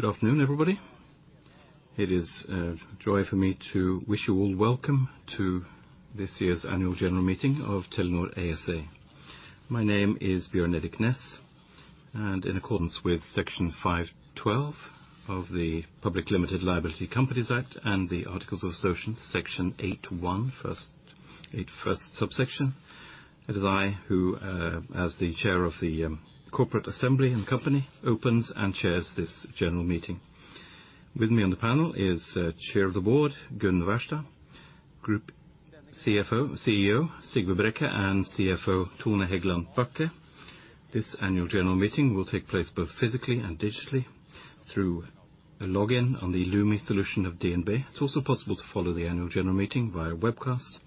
Good afternoon, everybody. It is a joy for me to wish you all welcome to this year's annual general meeting of Telenor ASA. My name is Bjørn Erik Næss. In accordance with Section 512 of the Public Limited Liability Companies Act and the Articles of Association, Section 8.1 first, eight first subsection. It is I who, as the Chair of the Corporate Assembly and company, opens and chairs this general meeting. With me on the panel is Chair of the Board, Gunn Wærsted, Group CEO, Sigve Brekke, and CFO, Tone Hegland Bachke. This annual general meeting will take place both physically and digitally through a login on the Lumi solution of DNB. It's also possible to follow the annual general meeting via webcast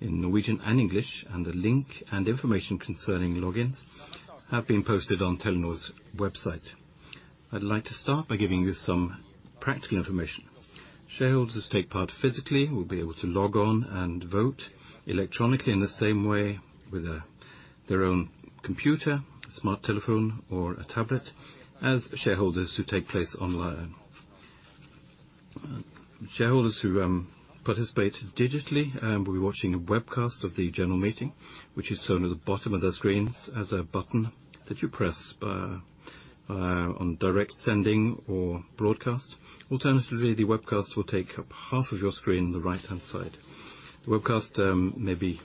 in Norwegian and English. A link and information concerning logins have been posted on Telenor's website. I'd like to start by giving you some practical information. Shareholders who take part physically will be able to log on and vote electronically in the same way with their own computer, smart telephone, or a tablet as shareholders who take place online. Shareholders who participate digitally will be watching a webcast of the general meeting, which is shown at the bottom of the screens as a button that you press on direct sending or broadcast. Alternatively, the webcast will take up half of your screen on the right-hand side. The webcast may be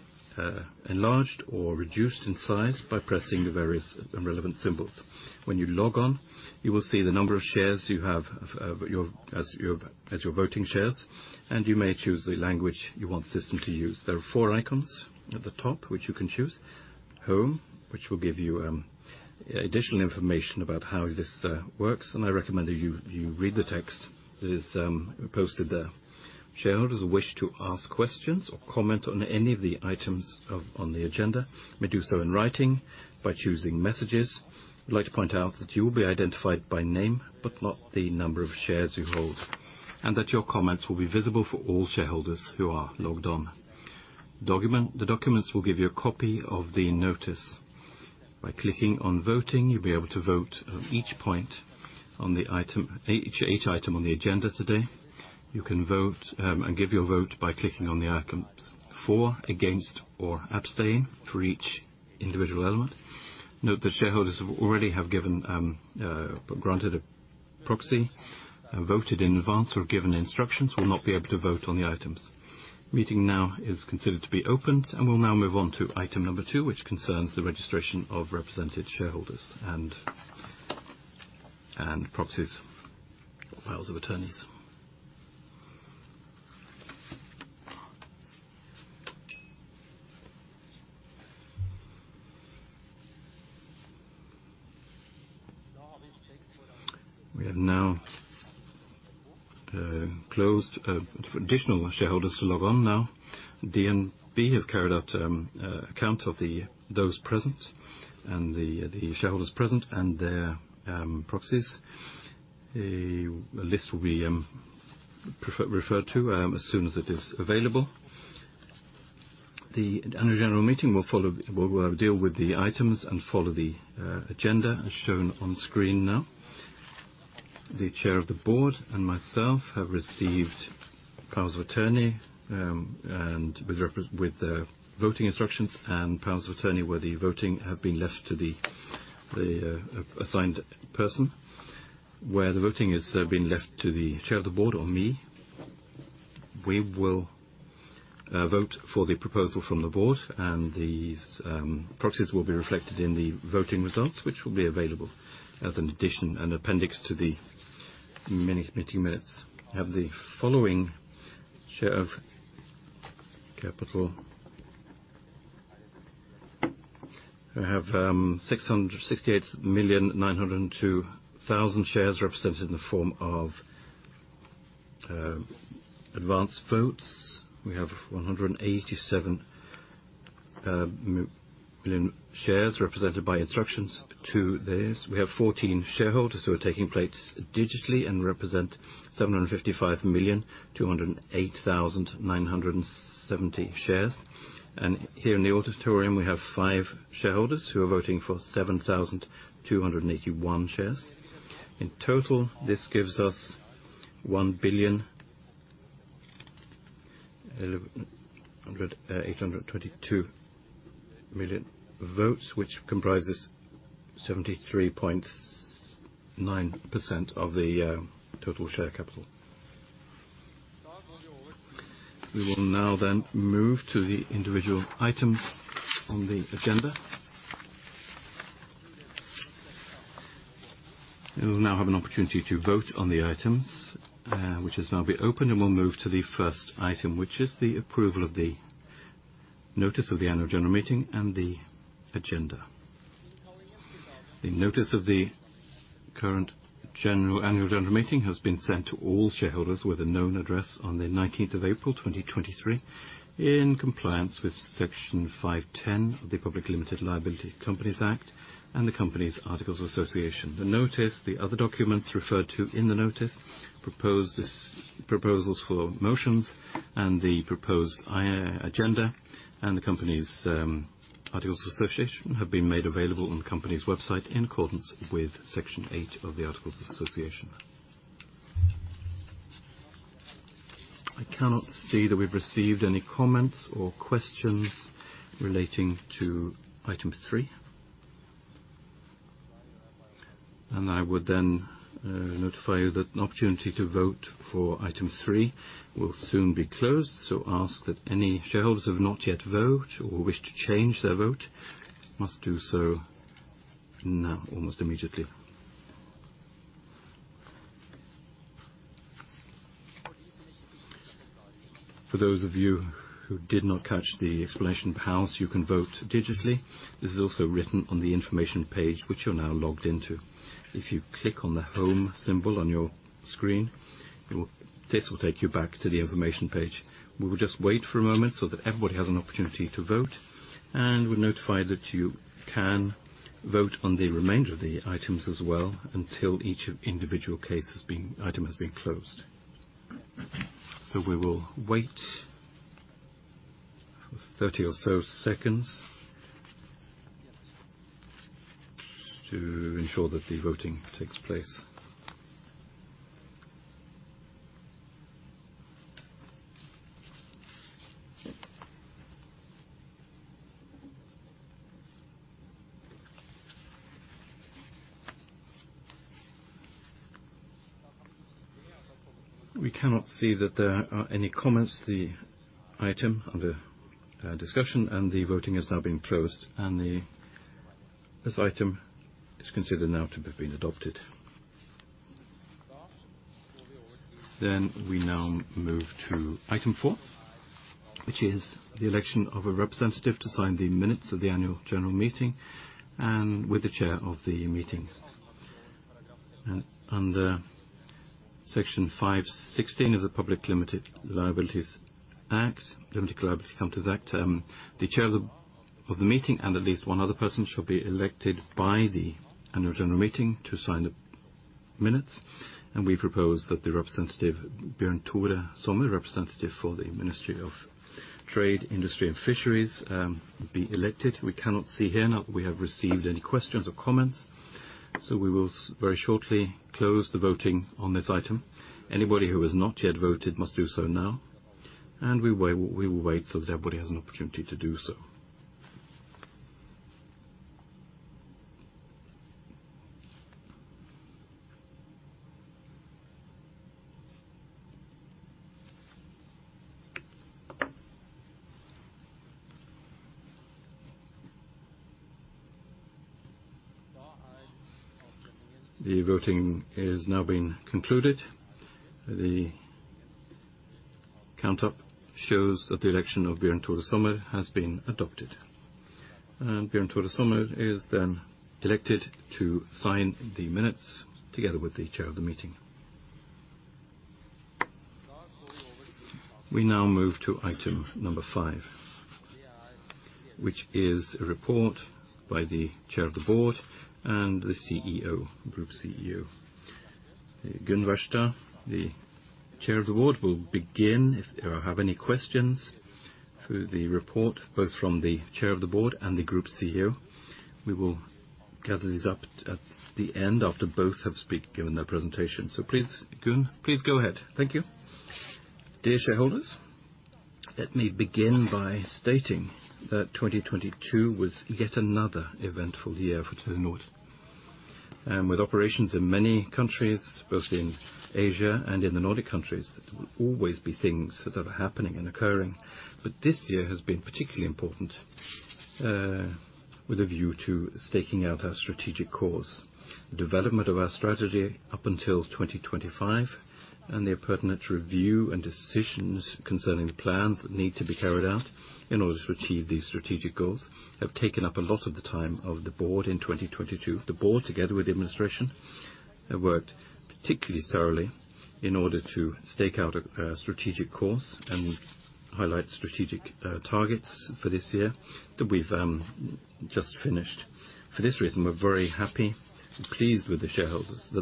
enlarged or reduced in size by pressing the various and relevant symbols. When you log on, you will see the number of shares you have as your voting shares, and you may choose the language you want the system to use. There are four icons at the top, which you can choose. Home, which will give you additional information about how this works. I recommend that you read the text that is posted there. Shareholders who wish to ask questions or comment on any of the items on the agenda may do so in writing by choosing Messages. I'd like to point out that you will be identified by name, but not the number of shares you hold. Your comments will be visible for all shareholders who are logged on. The documents will give you a copy of the notice. By clicking on Voting, you'll be able to vote on each point on the item, each item on the agenda today. You can vote, give your vote by clicking on the icons for, against, or abstain for each individual element. Note that shareholders who already have given, granted a proxy, voted in advance or given instructions will not be able to vote on the items. Meeting now is considered to be opened. We'll now move on to item number two, which concerns the registration of represented shareholders and proxies or powers of attorneys. We have now closed for additional shareholders to log on now. DNB have carried out a count of those present and the shareholders present and their proxies. A list will be referred to as soon as it is available. The annual general meeting will deal with the items and follow the agenda as shown on screen now. The chair of the board and myself have received powers of attorney, and with the voting instructions and powers of attorney where the voting have been left to the assigned person. Where the voting has been left to the chair of the board or me, we will vote for the proposal from the board and these proxies will be reflected in the voting results, which will be available as an addition and appendix to the mini- meeting minutes. We have the following share of capital. We have 668,902,000 shares represented in the form of advance votes. We have 187 million shares represented by instructions to this. We have 14 shareholders who are taking place digitally and represent 755,208,970 shares. Here in the auditorium, we have five shareholders who are voting for 7,281 shares. In total, this gives us 1 billion, 822 million votes, which comprises 73.9% of the total share capital. We will now then move to the individual items on the agenda. We will now have an opportunity to vote on the items, which has now been opened, and we'll move to the first item, which is the approval of the notice of the annual general meeting and the agenda. The notice of the current annual general meeting has been sent to all shareholders with a known address on the 19th of April, 2023, in compliance with Section 510 of the Public Limited Liability Companies Act and the company's Articles of Association. The notice, the other documents referred to in the notice, proposals for motions and the proposed agenda and the company's Articles of Association, have been made available on the company's website in accordance with Section 8 of the Articles of Association. I cannot see that we've received any comments or questions relating to item three. I would then notify you that an opportunity to vote for item three will soon be closed, so ask that any shareholders who have not yet vote or wish to change their vote must do so now, almost immediately. For those of you who did not catch the explanation of how you can vote digitally, this is also written on the information page which you're now logged into. If you click on the home symbol on your screen, this will take you back to the information page. We will just wait for a moment so that everybody has an opportunity to vote, and would notify that you can vote on the remainder of the items as well until each individual item has been closed. We will wait for 30 or so seconds to ensure that the voting takes place. We cannot see that there are any comments. The item under discussion and the voting has now been closed, and this item is considered now to have been adopted. We now move to item four, which is the election of a representative to sign the minutes of the annual general meeting and with the chair of the meeting. Under section five-16 of the Public Limited Liability Companies Act, the chair of the meeting and at least one other person shall be elected by the annual general meeting to sign the minutes. We propose that the representative, Bjørn Tore Sommer, representative for the Ministry of Trade, Industry and Fisheries, be elected. We cannot see here now that we have received any questions or comments, we will very shortly close the voting on this item. Anybody who has not yet voted must do so now. We will wait so that everybody has an opportunity to do so. The voting is now being concluded. The count up shows that the election of Bjørn Tore Sommer has been adopted. Bjørn Tore Sommer is then elected to sign the minutes together with the chair of the meeting. We now move to item five, which is a report by the chair of the board and the CEO, group CEO. Gunn Wærsted, the chair of the board, will begin. If you have any questions through the report, both from the chair of the board and the group CEO, we will gather these up at the end after both have given their presentation. Please, Gunn, please go ahead. Thank you. Dear shareholders, let me begin by stating that 2022 was yet another eventful year for Telenor. With operations in many countries, both in Asia and in the Nordic countries, there will always be things that are happening and occurring. This year has been particularly important, with a view to staking out our strategic course. The development of our strategy up until 2025 and the pertinent review and decisions concerning the plans that need to be carried out in order to achieve these strategic goals have taken up a lot of the time of the board in 2022. The board, together with the administration, have worked particularly thoroughly in order to stake out a strategic course and highlight strategic targets for this year that we've just finished. For this reason, we're very happy and pleased with the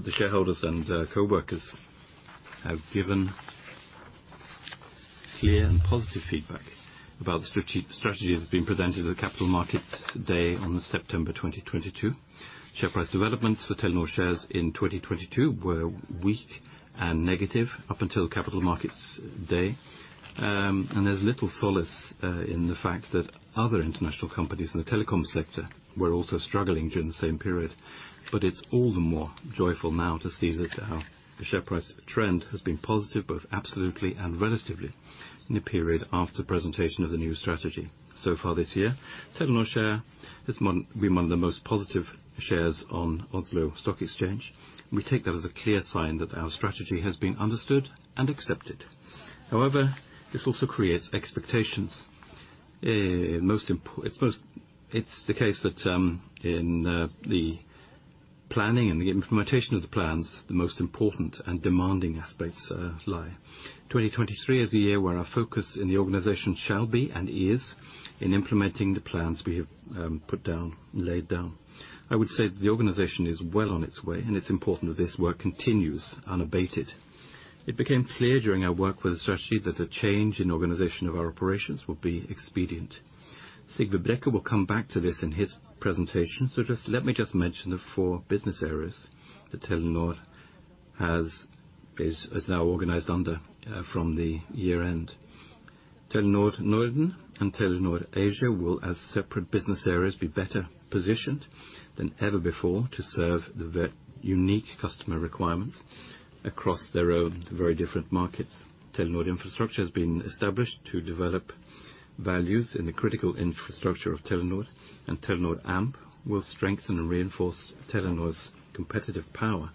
shareholders and coworkers have given clear and positive feedback about the strategy that's been presented at the Capital Markets Day on September 2022. Share price developments for Telenor shares in 2022 were weak and negative up until Capital Markets Day. There's little solace in the fact that other international companies in the telecom sector were also struggling during the same period. It's all the more joyful now to see that the share price trend has been positive, both absolutely and relatively, in the period after presentation of the new strategy. Far this year, Telenor share has been one of the most positive shares on Oslo Stock Exchange. We take that as a clear sign that our strategy has been understood and accepted. However, this also creates expectations. It's the case that in the planning and the implementation of the plans, the most important and demanding aspects lie. 2023 is a year where our focus in the organization shall be and is in implementing the plans we have put down, laid down. I would say that the organization is well on its way, and it's important that this work continues unabated. It became clear during our work with the strategy that a change in organization of our operations would be expedient. Sigve Brekke will come back to this in his presentation, so let me just mention the four business areas that Telenor has, is now organized under from the year-end. Telenor Norden and Telenor Asia will, as separate business areas, be better positioned than ever before to serve their unique customer requirements across their own very different markets. Telenor Infrastructure has been established to develop values in the critical infrastructure of Telenor. Telenor Amp will strengthen and reinforce Telenor's competitive power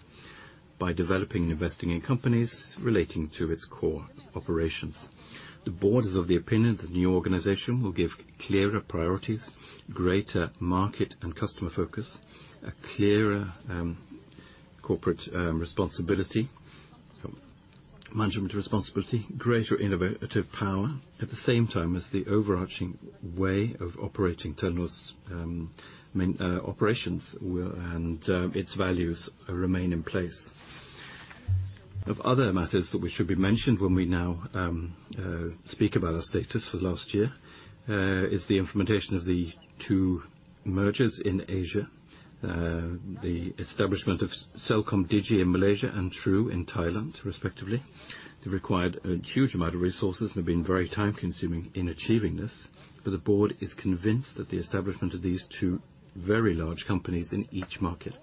by developing and investing in companies relating to its core operations. The boards of the opinion, the new organization will give clearer priorities, greater market and customer focus, a clearer corporate responsibility, management responsibility, greater innovative power. At the same time as the overarching way of operating Telenor's main operations will and its values remain in place. Of other matters that we should be mentioned when we now speak about our status for last year, is the implementation of the two mergers in Asia, the establishment of CelcomDigi in Malaysia and True in Thailand, respectively. They required a huge amount of resources and have been very time-consuming in achieving this. The board is convinced that the establishment of these two very large companies in each market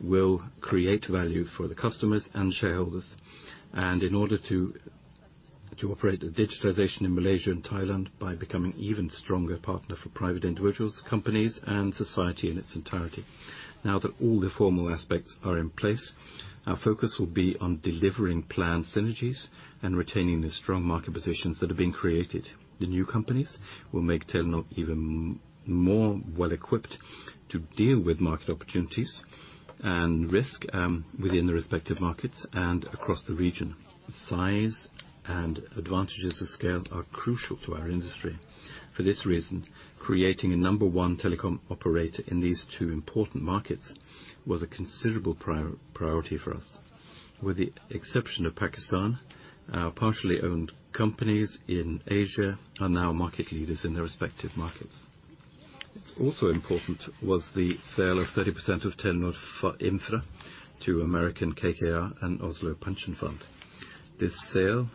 will create value for the customers and shareholders. In order to operate the digitalization in Malaysia and Thailand by becoming even stronger partner for private individuals, companies, and society in its entirety. Now that all the formal aspects are in place, our focus will be on delivering planned synergies and retaining the strong market positions that have been created. The new companies will make Telenor even more well-equipped to deal with market opportunities and risk within the respective markets and across the region. Size and advantages of scale are crucial to our industry. For this reason, creating a number one telecom operator in these two important markets was a considerable priority for us. With the exception of Pakistan, our partially owned companies in Asia are now market leaders in their respective markets. Also important was the sale of 30% of Telenor Fiber to American KKR and Oslo Pensjonsforsikring. This sale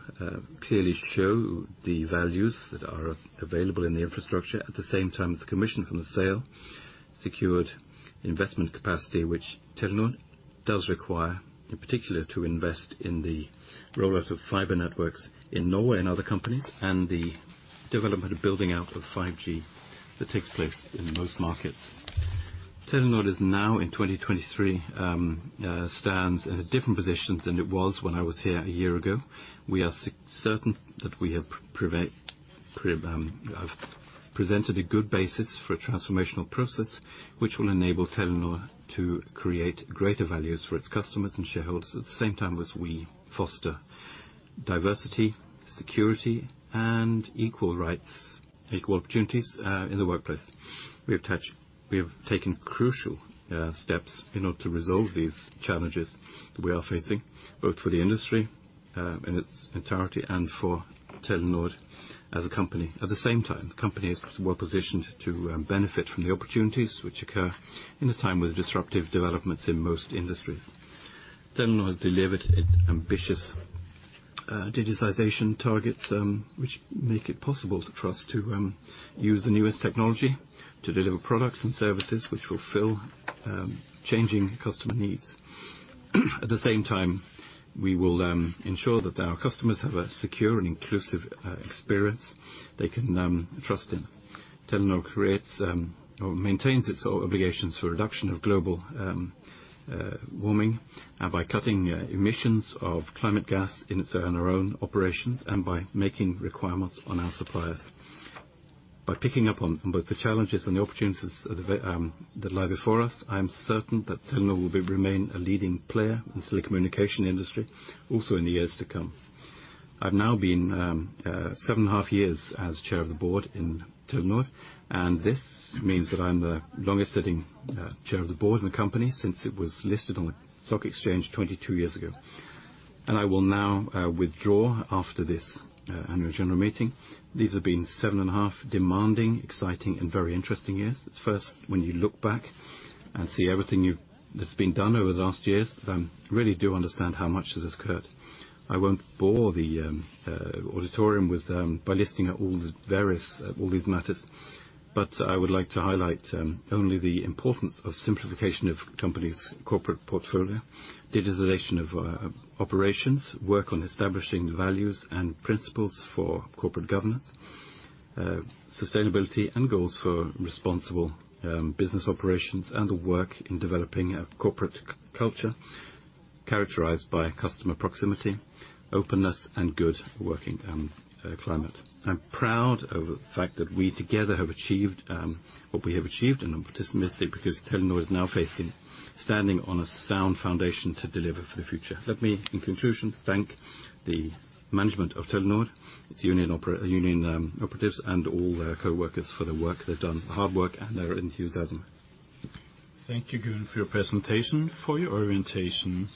clearly show the values that are available in the infrastructure. At the same time as the commission from the sale secured investment capacity, which Telenor does require, in particular, to invest in the rollout of fiber networks in Norway and other companies, and the development of building out of 5G that takes place in most markets. Telenor is now in 2023 stands in a different position than it was when I was here a year ago. We are certain that we have presented a good basis for a transformational process which will enable Telenor to create greater values for its customers and shareholders. At the same time as we foster diversity, security, and equal rights, equal opportunities in the workplace. We have taken crucial steps in order to resolve these challenges that we are facing, both for the industry in its entirety and for Telenor as a company. At the same time, the company is well-positioned to benefit from the opportunities which occur in a time with disruptive developments in most industries. Telenor has delivered its ambitious digitalization targets, which make it possible for us to use the newest technology to deliver products and services which fulfill changing customer needs. At the same time, we will ensure that our customers have a secure and inclusive experience they can trust in. Telenor creates or maintains its own obligations for reduction of global warming by cutting emissions of climate gas in our own operations, and by making requirements on our suppliers. By picking up on both the challenges and the opportunities that lie before us, I'm certain that Telenor will remain a leading player in the telecommunication industry also in the years to come. I've now been seven and a half years as chair of the board in Telenor, and this means that I'm the longest-sitting chair of the board in the company since it was listed on the stock exchange 22 years ago. I will now withdraw after this annual general meeting. These have been seven and a half demanding, exciting, and very interesting years. At first, when you look back and see everything that's been done over the last years, really do understand how much it has occurred. I won't bore the auditorium with by listing at all the various, all these matters, but I would like to highlight only the importance of simplification of company's corporate portfolio, digitalization of operations, work on establishing the values and principles for corporate governance, sustainability and goals for responsible business operations, and the work in developing a corporate culture characterized by customer proximity, openness, and good working climate. I'm proud of the fact that we together have achieved what we have achieved, and I'm optimistic because Telenor is now facing standing on a sound foundation to deliver for the future. Let me, in conclusion, thank the management of Telenor, its union operatives, and all their coworkers for the work they've done, the hard work and their enthusiasm. Thank you, Gunn, for your presentation. For your orientation,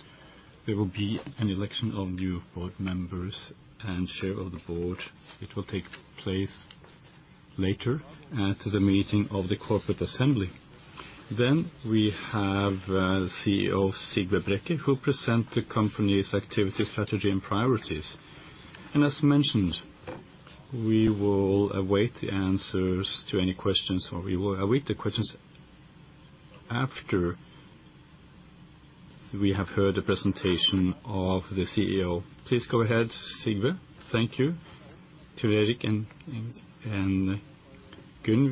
there will be an election of new board members and chair of the board. It will take place. Later to the meeting of the corporate assembly. We have CEO Sigve Brekke, who present the company's activity, strategy, and priorities. As mentioned, we will await the answers to any questions, or we will await the questions after we have heard the presentation of the CEO. Please go ahead, Sigve. Thank you. To Erik and Gunn,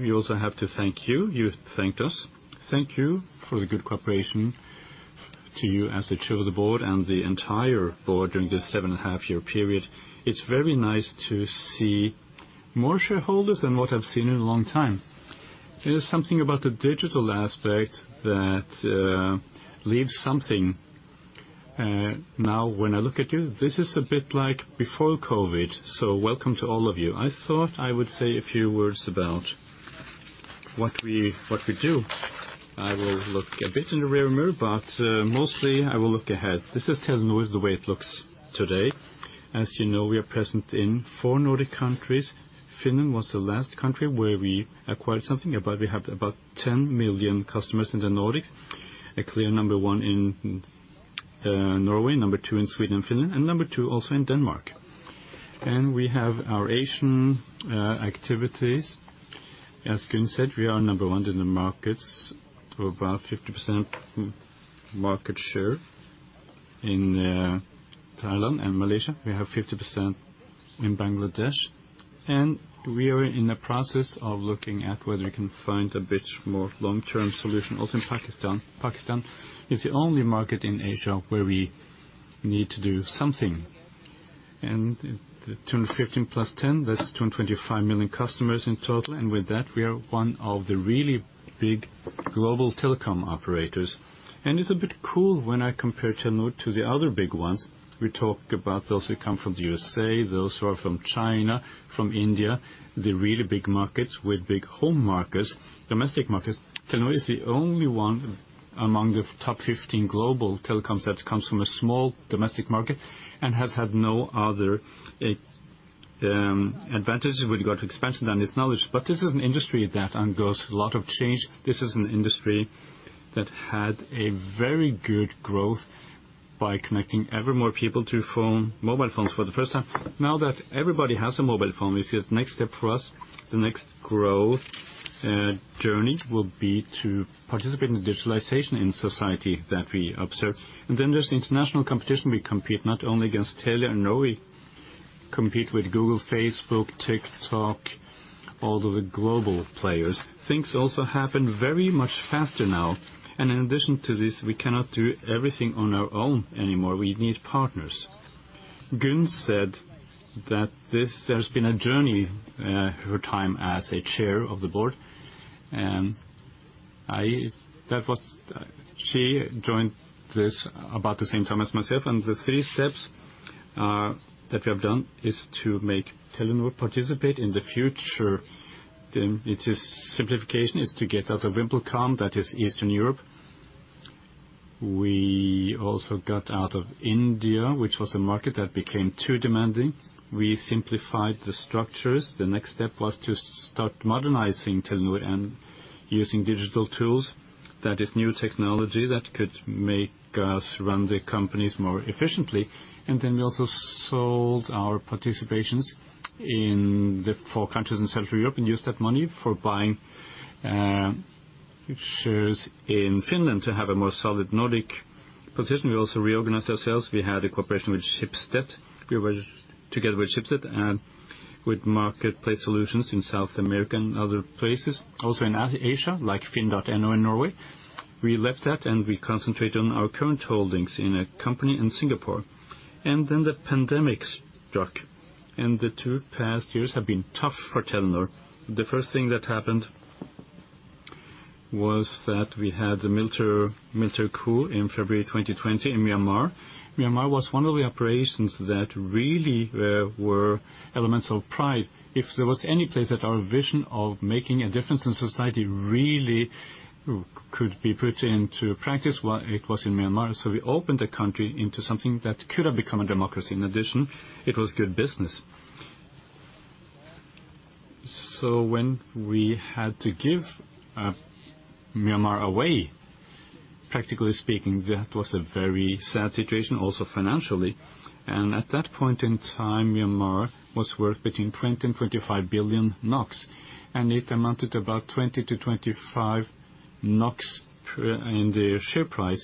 we also have to thank you. You thanked us. Thank you for the good cooperation to you as the chair of the board and the entire board during this seven and a half year period. It's very nice to see more shareholders than what I've seen in a long time. There's something about the digital aspect that leaves something. Now, when I look at you, this is a bit like before COVID, welcome to all of you. I thought I would say a few words about what we, what we do. I will look a bit in the rearview mirror, but mostly I will look ahead. This is Telenor, the way it looks today. As you know, we are present in four Nordic countries. Finland was the last country where we acquired something. We have about 10 million customers in the Nordics. A clear number one in Norway, number two in Sweden and Finland, and number two also in Denmark. We have our Asian activities. As Gunn said, we are number one in the markets to above 50% market share. In Thailand and Malaysia, we have 50%. In Bangladesh. We are in the process of looking at whether we can find a bit more long-term solution also in Pakistan. Pakistan is the only market in Asia where we need to do something. The 215 + 10, that's 225 million customers in total. With that, we are one of the really big global telecom operators. It's a bit cool when I compare Telenor to the other big ones. We talk about those who come from the USA, those who are from China, from India, the really big markets with big home markets, domestic markets. Telenor is the only one among the top 15 global telecoms that comes from a small domestic market and has had no other advantage with regard to expansion than its knowledge. This is an industry that undergoes a lot of change. This is an industry that had a very good growth by connecting evermore people to mobile phones for the first time. Now that everybody has a mobile phone, we see the next step for us, the next growth journey will be to participate in the digitalization in society that we observe. There's the international competition. We compete not only against Telia and Norway, compete with Google, Facebook, TikTok, all of the global players. Things also happen very much faster now. In addition to this, we cannot do everything on our own anymore. We need partners. Gunn said that there's been a journey her time as a chair of the board. She joined this about the same time as myself. The three steps that we have done is to make Telenor participate in the future. It is simplification, is to get out of VimpelCom, that is Eastern Europe. We also got out of India, which was a market that became too demanding. We simplified the structures. The next step was to start modernizing Telenor and using digital tools, that is new technology that could make us run the companies more efficiently. We also sold our participations in the four countries in Central Europe and used that money for buying shares in Finland to have a more solid Nordic position. We also reorganized ourselves. We had a cooperation with Schibsted. We were together with Schibsted and with marketplace solutions in South America and other places, also in Asia, like FINN.no in Norway. We left that, and we concentrated on our current holdings in a company in Singapore. The pandemic struck, and the two past years have been tough for Telenor. The first thing that happened was that we had the military coup in February 2021 in Myanmar. Myanmar was one of the operations that really were elements of pride. If there was any place that our vision of making a difference in society really could be put into practice, well, it was in Myanmar. We opened the country into something that could have become a democracy. In addition, it was good business. When we had to give Myanmar away, practically speaking, that was a very sad situation, also financially. At that point in time, Myanmar was worth between 20 billion and 25 billion NOK, and it amounted to about 20 to 25 NOK in the share price.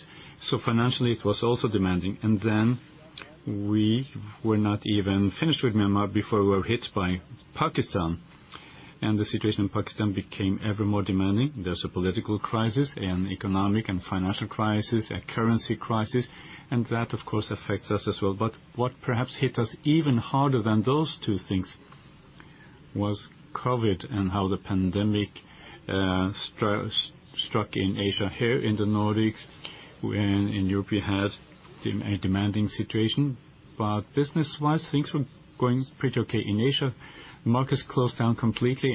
Financially, it was also demanding. We were not even finished with Myanmar before we were hit by Pakistan. The situation in Pakistan became ever more demanding. There's a political crisis and economic and financial crisis, a currency crisis, and that, of course, affects us as well. What perhaps hit us even harder than those two things was COVID and how the pandemic struck in Asia. Here in the Nordics and in Europe, we had a demanding situation, but business-wise, things were going pretty okay. In Asia, markets closed down completely.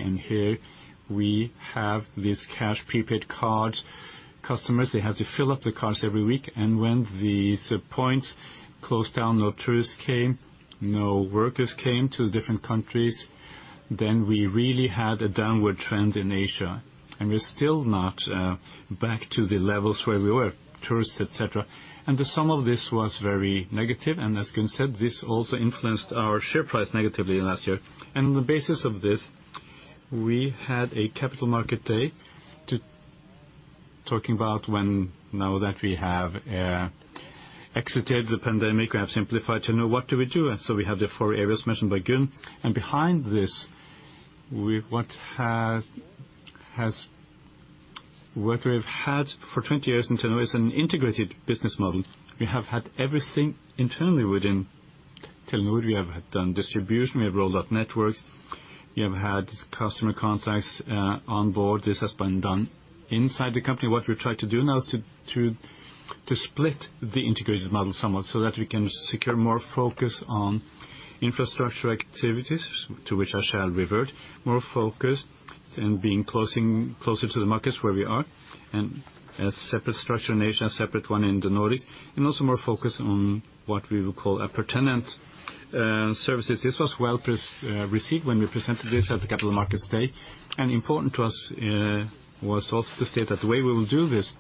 We have these cash prepaid cards. Customers, they have to fill up the cards every week. When these points closed down, no tourists came, no workers came to different countries, then we really had a downward trend in Asia, and we're still not back to the levels where we were, tourists, et cetera. The sum of this was very negative, and as Gunn said, this also influenced our share price negatively last year. On the basis of this, we had a Capital Markets Day when now that we have exited the pandemic, we have simplified to know what do we do. We have the four areas mentioned by Gunn. Behind this, we've had for 20 years in Telenor is an integrated business model. We have had everything internally within Telenor. We have had done distribution, we have rolled out networks, we have had customer contacts on board. This has been done inside the company. What we've tried to do now is to split the integrated model somewhat so that we can secure more focus on infrastructure activities, to which I shall revert. More focus and being closer to the markets where we are and a separate structure in Asia, a separate one in the Nordics, and also more focus on what we would call a per tenant services. This was well received when we presented this at the Capital Markets Day. Important to us, was also to state that the way we will do this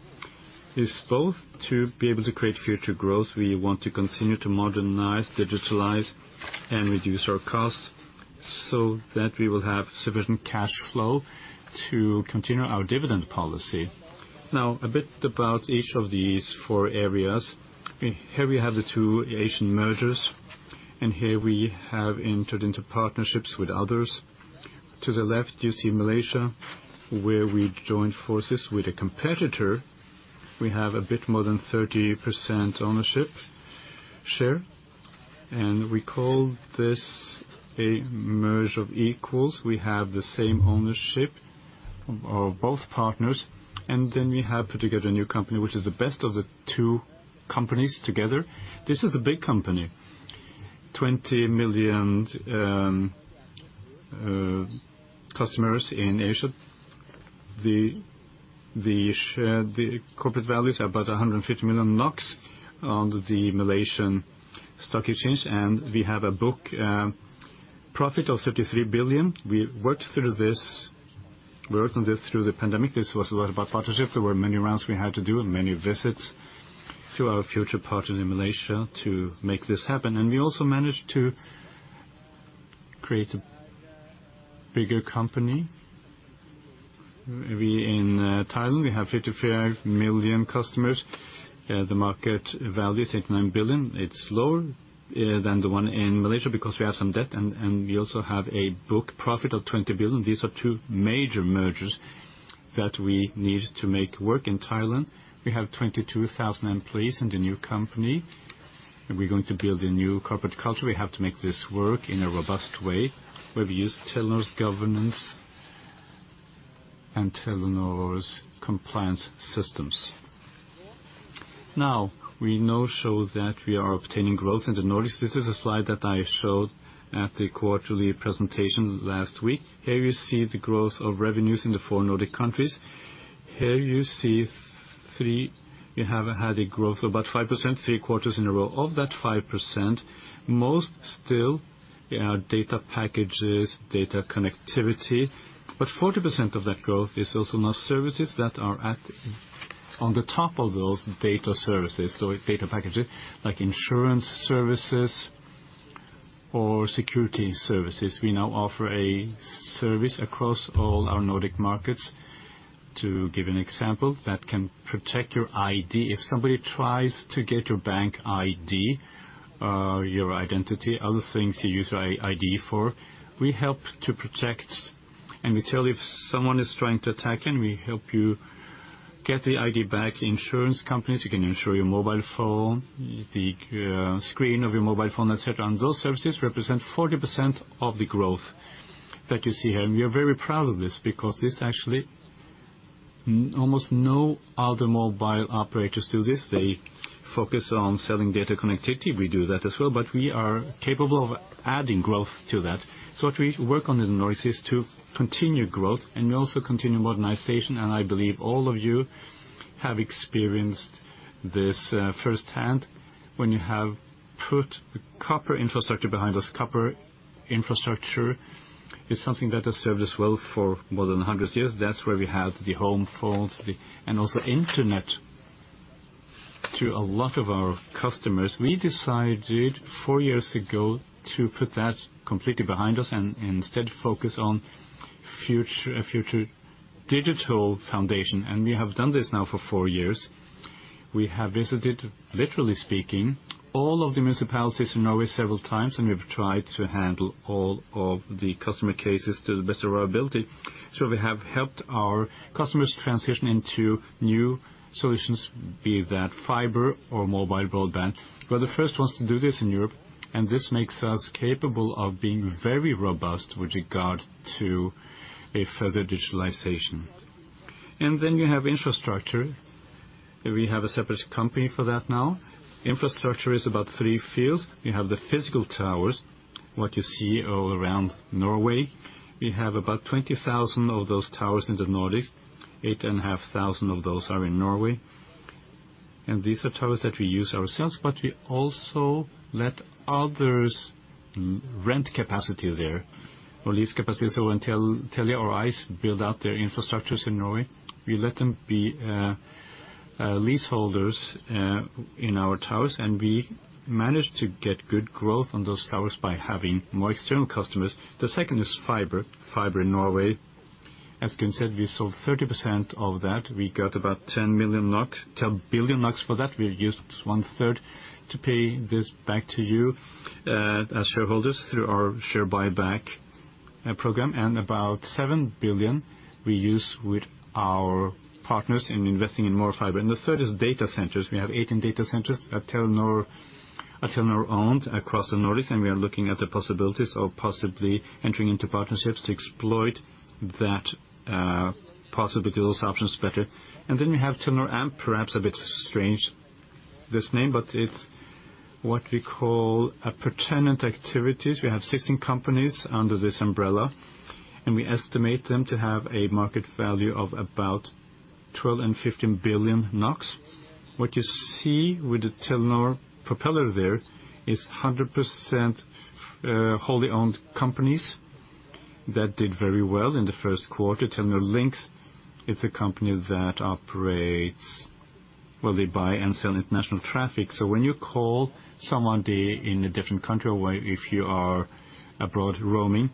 is both to be able to create future growth. We want to continue to modernize, digitalize, and reduce our costs so that we will have sufficient cash flow to continue our dividend policy. A bit about each of these four areas. Here we have the two Asian mergers, and here we have entered into partnerships with others. To the left, you see Malaysia, where we joined forces with a competitor. We have a bit more than 30% ownership share. We call this a merge of equals. We have the same ownership of both partners. We have put together a new company, which is the best of the two companies together. This is a big company, 20 million customers in Asia. The corporate value is about 150 million NOK on the Malaysian stock exchange. We have a book profit of 53 billion. We worked through this. We worked on this through the pandemic. This was a lot about partnership. There were many rounds we had to do, many visits to our future partners in Malaysia to make this happen. We also managed to create a bigger company. We in Thailand, we have 55 million customers. The market value is 89 billion. It's lower than the one in Malaysia because we have some debt, and we also have a book profit of 20 billion. These are two major mergers that we need to make work. In Thailand, we have 22,000 employees in the new company, and we're going to build a new corporate culture. We have to make this work in a robust way, where we use Telenor's governance and Telenor's compliance systems. We now show that we are obtaining growth in the Nordics. This is a slide that I showed at the quarterly presentation last week. Here you see the growth of revenues in the four Nordic countries. Here you see three. We have had a growth of about 5%, three quarters in a row. Of that 5%, most still are data packages, data connectivity. 40% of that growth is also now services that are on the top of those data services or data packages, like insurance services or security services. We now offer a service across all our Nordic markets, to give an example, that can protect your ID. If somebody tries to get your BankID, your identity, other things you use ID for, we help to protect, and we tell if someone is trying to attack, and we help you get the ID back. Insurance companies, you can insure your mobile phone, the screen of your mobile phone, et cetera. Those services represent 40% of the growth that you see here. We are very proud of this because almost no other mobile operators do this. They focus on selling data connectivity. We do that as well, we are capable of adding growth to that. What we work on in the Nordics is to continue growth, and we also continue modernization. I believe all of you have experienced this firsthand when you have put copper infrastructure behind us. Copper infrastructure is something that has served us well for more than 100 years. That's where we have the home phones, and also internet to a lot of our customers. We decided four years ago to put that completely behind us and instead focus on future, a future digital foundation, and we have done this now for four years. We have visited, literally speaking, all of the municipalities in Norway several times, and we've tried to handle all of the customer cases to the best of our ability. We have helped our customers transition into new solutions, be that fiber or mobile broadband. We're the first ones to do this in Europe, and this makes us capable of being very robust with regard to a further digitalization. You have infrastructure. We have a separate company for that now. Infrastructure is about three fields. We have the physical towers, what you see all around Norway. We have about 20,000 of those towers in the Nordics. 8,500 of those are in Norway. These are towers that we use ourselves, but we also let others rent capacity there or lease capacity. When Telia or ice build out their infrastructures in Norway, we let them be leaseholders in our towers, and we manage to get good growth on those towers by having more external customers. The second is fiber. Fiber in Norway, as Sigve Brekke said, we sold 30% of that. We got about 10 billion NOK for that. We used one-third to pay this back to you as shareholders through our share buyback program, and about 7 billion we use with our partners in investing in more fiber. The third is data centers. We have 8 data centers at Telenor-owned across the Nordics, and we are looking at the possibilities of possibly entering into partnerships to exploit that possibility or options better. We have Telenor Amp. Perhaps a bit strange, this name, but it's what we call a pertinent activities. We have 16 companies under this umbrella, and we estimate them to have a market value of about 12 billion-15 billion NOK. What you see with the Telenor Amp there is 100% wholly owned companies that did very well in the first quarter. Telenor Lincs is a company that operates. Well, they buy and sell international traffic. When you call somebody in a different country or if you are abroad roaming,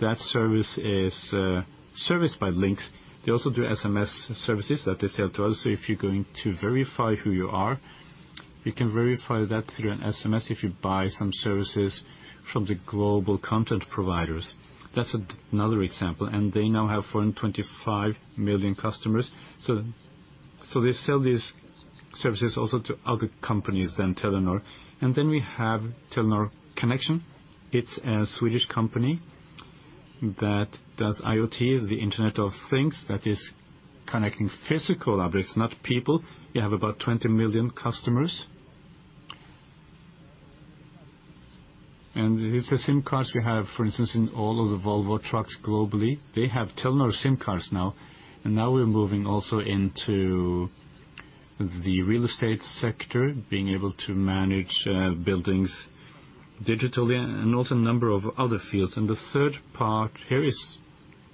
that service is serviced by Linx. They also do SMS services that they sell to us. If you're going to verify who you are, we can verify that through an SMS if you buy some services from the global content providers. That's another example. They now have 125 million customers. So they sell these services also to other companies than Telenor. We have Telenor Connexion. It's a Swedish company that does IoT, the Internet of Things, that is connecting physical objects, not people. You have about 20 million customers. It's the same cars we have, for instance, in all of the Volvo trucks globally. They have Telenor SIM cards now. Now we're moving also into the real estate sector, being able to manage buildings digitally and also a number of other fields. The third part here is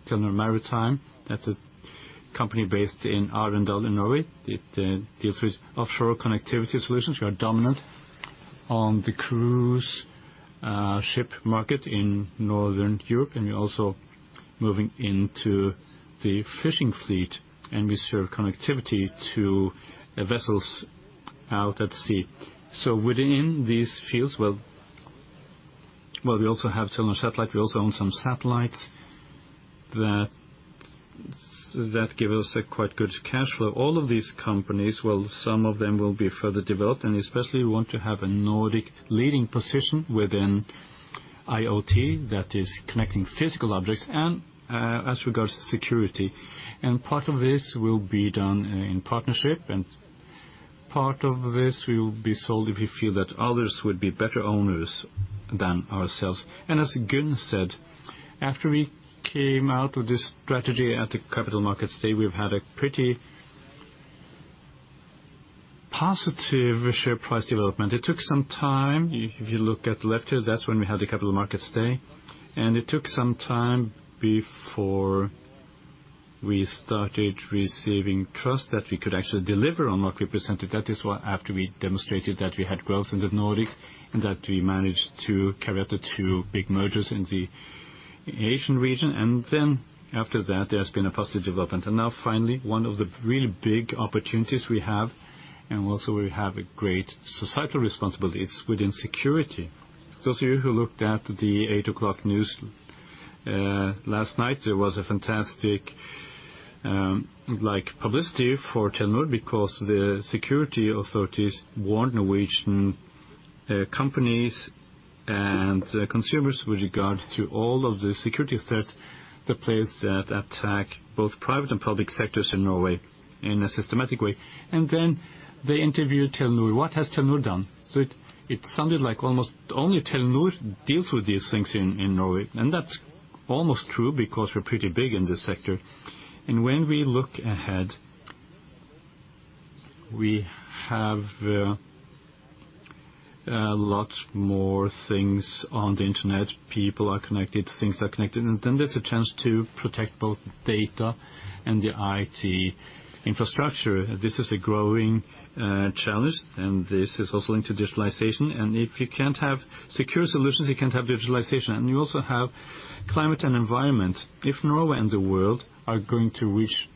Telenor Maritime. That's a company based in Arendal, in Norway. It deals with offshore connectivity solutions. We are dominant on the cruise ship market in Northern Europe, and we're also moving into the fishing fleet, and we serve connectivity to vessels out at sea. Within these fields, well, we also have Telenor Satellite. We also own some satellites that give us a quite good cash flow. All of these companies, well, some of them will be further developed. Especially we want to have a Nordic leading position within IoT, that is connecting physical objects, and as regards to security. Part of this will be done in partnership, and part of this will be sold if we feel that others would be better owners than ourselves. As Gunn said, after we came out with this strategy at the Capital Markets Day, we've had a pretty positive share price development. It took some time. If you look at left here, that's when we had the Capital Markets Day. It took some time before we started receiving trust that we could actually deliver on what we presented. That is, after we demonstrated that we had growth in the Nordics and that we managed to carry out the two big mergers in the Asian region. After that, there's been a positive development. Now finally, one of the really big opportunities we have, and also we have a great societal responsibility, is within security. Those of you who looked at the eight o'clock news last night, there was a fantastic, like, publicity for Telenor because the security authorities warned Norwegian companies and consumers with regard to all of the security threats that attack both private and public sectors in Norway in a systematic way. They interviewed Telenor, "What has Telenor done?" It sounded like almost only Telenor deals with these things in Norway, and that's almost true because we're pretty big in this sector. When we look ahead, we have a lot more things on the internet. People are connected, things are connected, there's a chance to protect both data and the IT infrastructure. This is a growing challenge, this is also linked to digitalization. If you can't have secure solutions, you can't have digitalization. You also have climate and environment. If Norway and the world are going to reach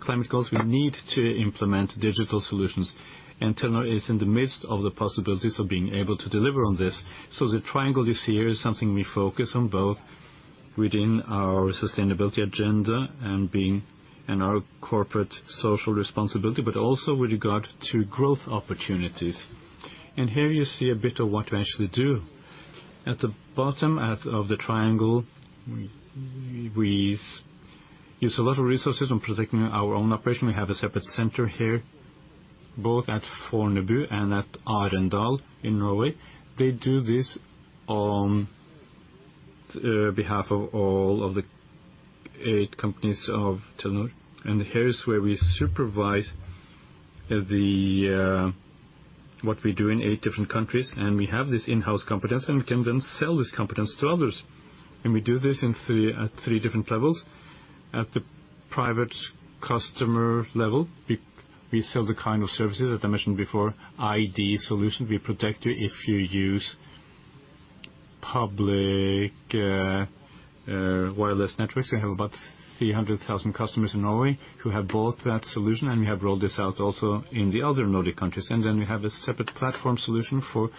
climate goals, we need to implement digital solutions. Telenor is in the midst of the possibilities of being able to deliver on this. The triangle you see here is something we focus on both within our sustainability agenda and in our corporate social responsibility, also with regard to growth opportunities. Here you see a bit of what we actually do. At the bottom of the triangle, we use a lot of resources on protecting our own operation. We have a separate center here, both at Fornebu and at Arendal in Norway. They do this on behalf of all of the eight companies of Telenor. Here is where we supervise what we do in eight different countries, and we have this in-house competence, and we can then sell this competence to others. We do this at three different levels. At the private customer level, we sell the kind of services that I mentioned before, ID solution. We protect you if you use public wireless networks. We have about 300,000 customers in Norway who have bought that solution, we have rolled this out also in the other Nordic countries. We have a separate platform solution for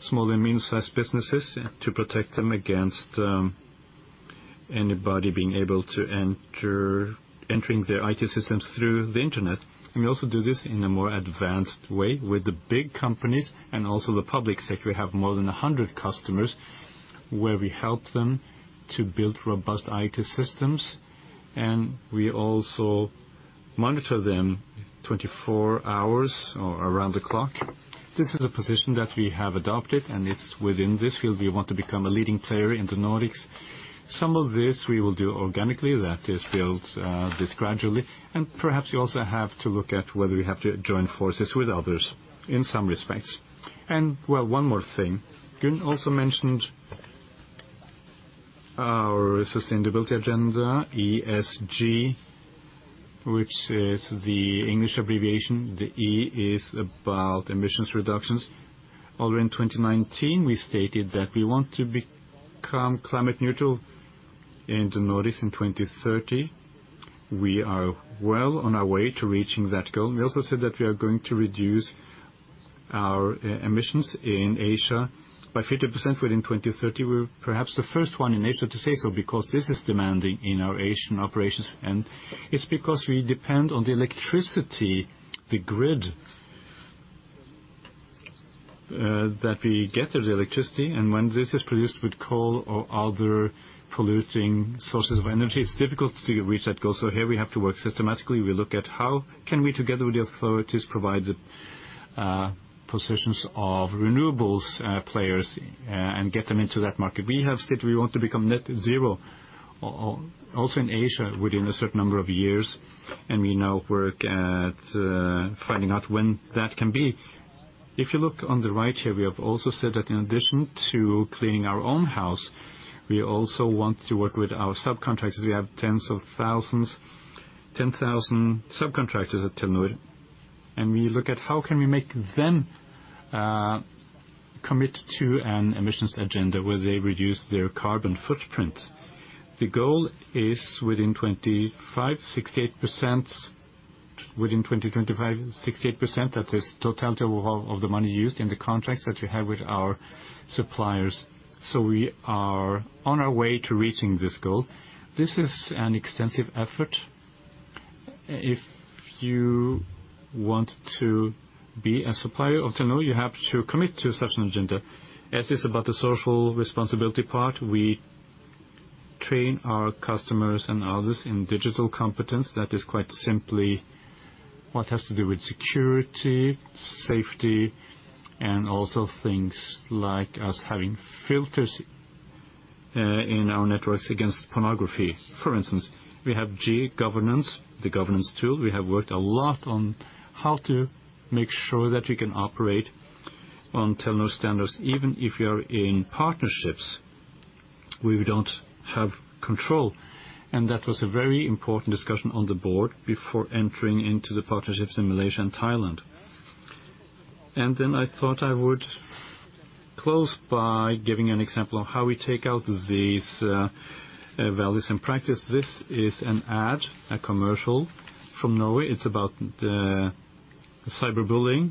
small and medium-sized businesses to protect them against anybody being able to entering their IT systems through the Internet. We also do this in a more advanced way with the big companies and also the public sector. We have more than 100 customers where we help them to build robust IT systems, and we also monitor them 24 hours around the clock. This is a position that we have adopted, it's within this field we want to become a leading player in the Nordics. Some of this we will do organically, that is build, this gradually, perhaps we also have to look at whether we have to join forces with others in some respects. Well, one more thing. Gunn also mentioned our sustainability agenda, ESG, which is the English abbreviation. The E is about emissions reductions. Although in 2019 we stated that we want to become climate neutral in the Nordics in 2030. We are well on our way to reaching that goal. We also said that we are going to reduce our e-emissions in Asia by 50% within 2030. We're perhaps the first one in Asia to say so because this is demanding in our Asian operations, and it's because we depend on the electricity, the grid, that we get the electricity, and when this is produced with coal or other polluting sources of energy, it's difficult to reach that goal. Here we have to work systematically. We look at how can we, together with the authorities, provide positions of renewables players, and get them into that market. We have said we want to become net zero also in Asia within a certain number of years, and we now work at finding out when that can be. If you look on the right here, we have also said that in addition to cleaning our own house, we also want to work with our subcontractors. We have tens of thousands, 10,000 subcontractors at Telenor. We look at how can we make them commit to an emissions agenda where they reduce their carbon footprint. The goal is within 2025, 68%. Within 2025, 68%, that is totality of the money used in the contracts that we have with our suppliers. We are on our way to reaching this goal. This is an extensive effort. If you want to be a supplier of Telenor, you have to commit to such an agenda. S is about the social responsibility part. We train our customers and others in digital competence. That is quite simply what has to do with security, safety, and also things like us having filters in our networks against pornography, for instance. We have G, governance, the governance tool. We have worked a lot on how to make sure that you can operate on Telenor standards, even if you're in partnerships where we don't have control. That was a very important discussion on the board before entering into the partnerships in Malaysia and Thailand. I thought I would close by giving an example of how we take out these values in practice. This is an ad, a commercial from Norway. It's about cyberbullying.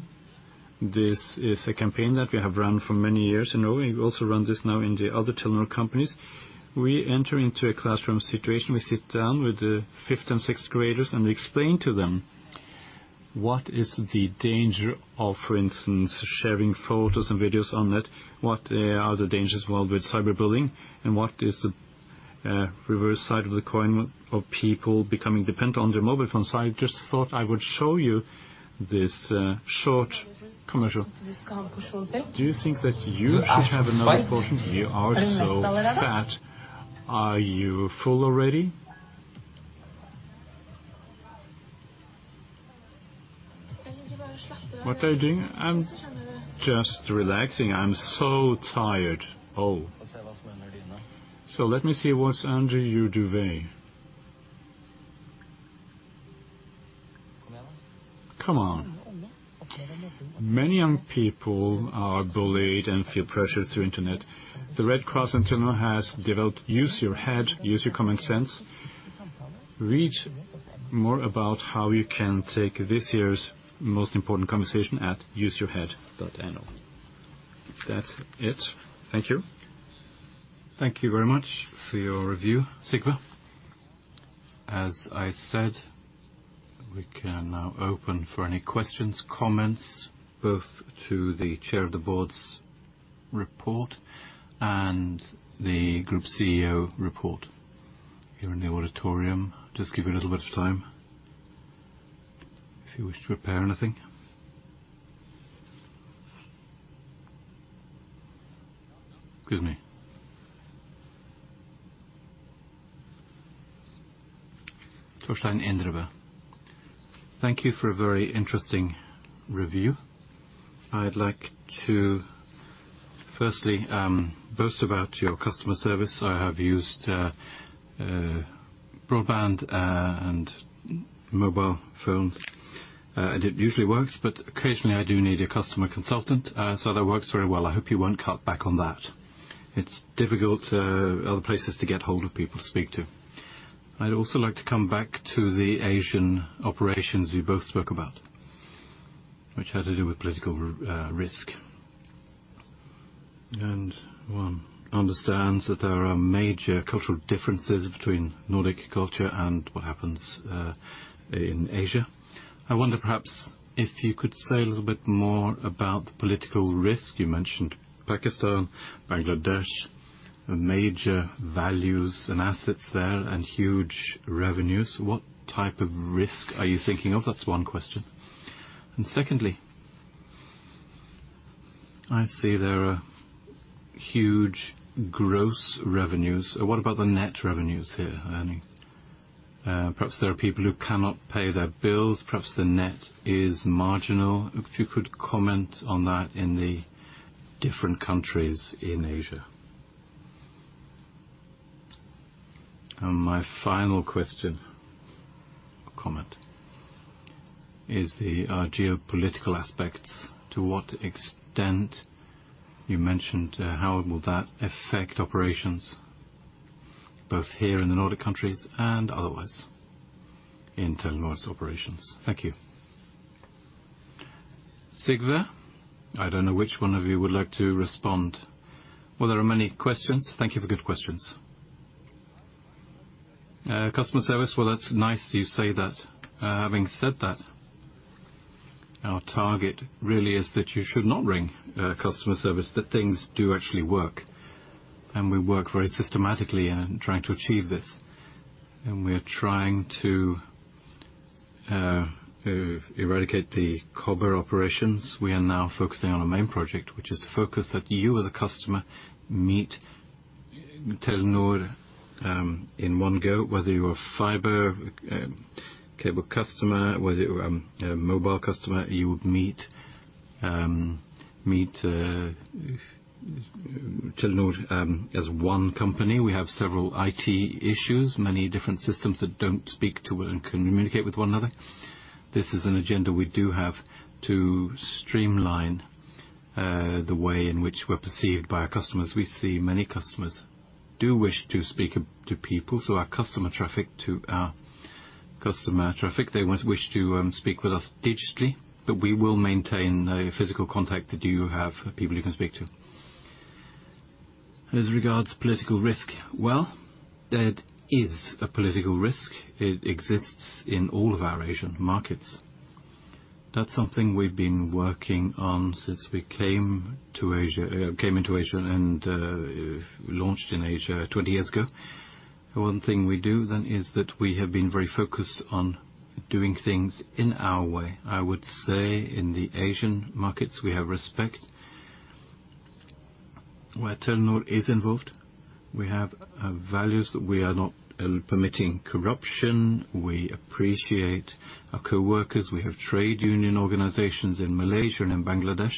This is a campaign that we have run for many years in Norway. We also run this now in the other Telenor companies. We enter into a classroom situation. We sit down with the fifth and sixth graders and we explain to them what is the danger of, for instance, sharing photos and videos on net, what are the dangers involved with cyberbullying, and what is the reverse side of the coin of people becoming dependent on their mobile phones. I just thought I would show you this short commercial. Do you think that you should have another portion? You are so fat. Are you full already? What are you doing? I'm just relaxing. I'm so tired. Let me see what's under your duvet. Come on. Many young people are bullied and feel pressured through Internet. The Red Cross and Telenor has developed Use Your Head, Use Your Common Sense. Read more about how you can take this year's most important conversation at useyourhead.no. That's it. Thank you. Thank you very much for your review, Sigve. As I said, we can now open for any questions, comments, both to the Chair of the Board's report and the Group CEO report here in the auditorium. Just give you a little bit of time if you wish to prepare anything. Excuse me. Torstein Indreby. Thank you for a very interesting review. I'd like to firstly boast about your customer service. I have used broadband and mobile phones, and it usually works, but occasionally I do need a customer consultant, so that works very well. I hope you won't cut back on that. It's difficult other places to get hold of people to speak to. I'd also like to come back to the Asian operations you both spoke about, which had to do with political risk. One understands that there are major cultural differences between Nordic culture and what happens in Asia. I wonder perhaps if you could say a little bit more about the political risk. You mentioned Pakistan, Bangladesh, major values and assets there and huge revenues. What type of risk are you thinking of? That's one question. Secondly, I see there are huge gross revenues. What about the net revenues here, earnings? Perhaps there are people who cannot pay their bills. Perhaps the net is marginal. If you could comment on that in the different countries in Asia. My final question or comment is the geopolitical aspects. To what extent you mentioned, how will that affect operations both here in the Nordic countries and otherwise in Telenor's operations? Thank you. Sigve. I don't know which one of you would like to respond. Well, there are many questions. Thank you for good questions. Customer service. Well, that's nice you say that. Having said that, our target really is that you should not ring customer service, that things do actually work. We work very systematically in trying to achieve this. We are trying to eradicate the COBR operations. We are now focusing on a main project, which is focus that you as a customer meet Telenor in one go, whether you're a fiber cable customer, whether you're a mobile customer, you would meet Telenor as one company. We have several IT issues, many different systems that don't speak to and can communicate with one another. This is an agenda we do have to streamline the way in which we're perceived by our customers. We see many customers do wish to speak to people, so our customer traffic, to our customer traffic, they wish to speak with us digitally, but we will maintain a physical contact that you have people you can speak to. As regards political risk, well, there is a political risk. It exists in all of our Asian markets. That's something we've been working on since we came into Asia and launched in Asia 20 years ago. One thing we do then is that we have been very focused on doing things in our way. I would say in the Asian markets, we have respect where Telenor is involved. We have values that we are not permitting corruption. We appreciate our coworkers. We have trade union organizations in Malaysia and in Bangladesh.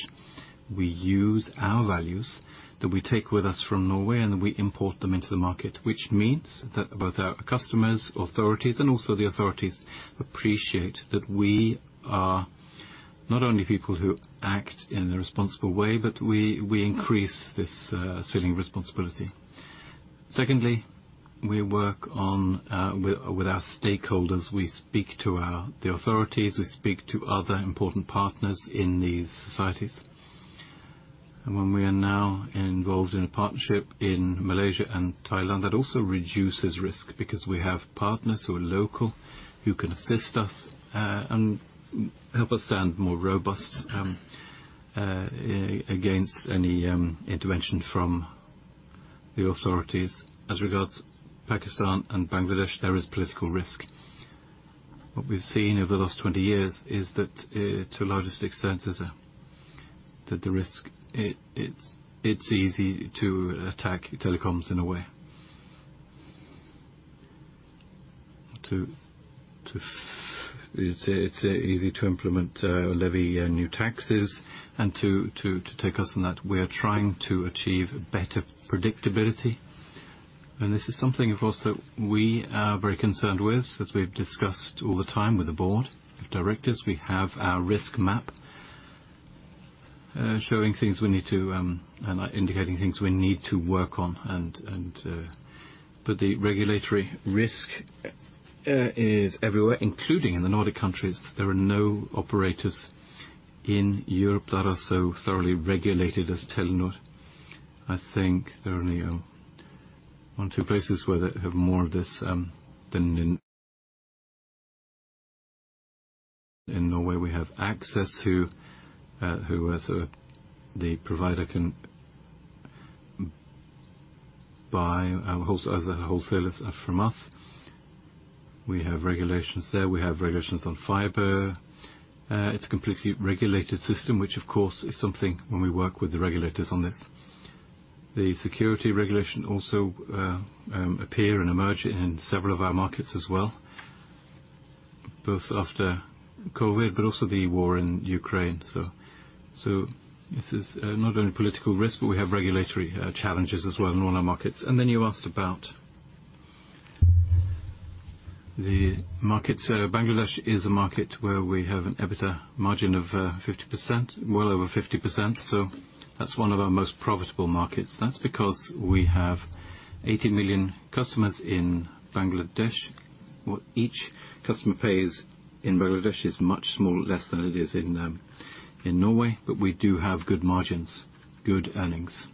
We use our values that we take with us from Norway, and we import them into the market, which means that both our customers, authorities, and also the authorities appreciate that we are not only people who act in a responsible way, but we increase this feeling of responsibility. Secondly, we work on with our stakeholders. We speak to the authorities. We speak to other important partners in these societies. When we are now involved in a partnership in Malaysia and Thailand, that also reduces risk because we have partners who are local, who can assist us and help us stand more robust against any intervention from the authorities. As regards Pakistan and Bangladesh, there is political risk. What we've seen over the last 20 years is that, to a large extent is, that the risk, it's easy to attack telecoms in a way. It's easy to implement levy new taxes and to take us on that. We are trying to achieve better predictability. This is something, of course, that we are very concerned with, as we've discussed all the time with the board of directors. We have our risk map indicating things we need to work on. The regulatory risk is everywhere, including in the Nordic countries. There are no operators in Europe that are so thoroughly regulated as Telenor. I think there are only one or two places where they have more of this than in. In Norway, we have access who as a provider can buy our wholesalers from us. We have regulations there. We have regulations on fiber. It's a completely regulated system, which of course is something when we work with the regulators on this. The security regulation also appear and emerge in several of our markets as well, both after COVID, but also the war in Ukraine. This is not only political risk, but we have regulatory challenges as well in all our markets. You asked about the markets. Bangladesh is a market where we have an EBITDA margin of 50%, well over 50%. That's one of our most profitable markets. That's because we have 80 million customers in Bangladesh. What each customer pays in Bangladesh is much small, less than it is in Norway. We do have good margins, good earnings.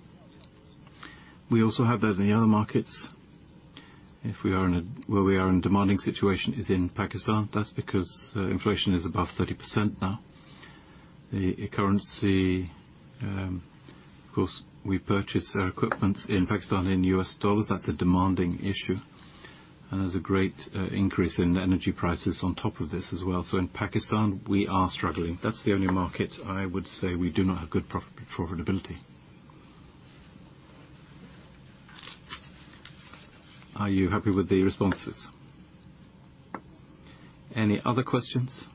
We also have that in the other markets. If we are in where we are in demanding situation is in Pakistan. That's because inflation is above 30% now. The currency, of course, we purchase our equipments in Pakistan in U.S. dollars. That's a demanding issue. There's a great increase in energy prices on top of this as well. In Pakistan, we are struggling. That's the only market I would say we do not have good profitability. Are you happy with the responses? Any other questions?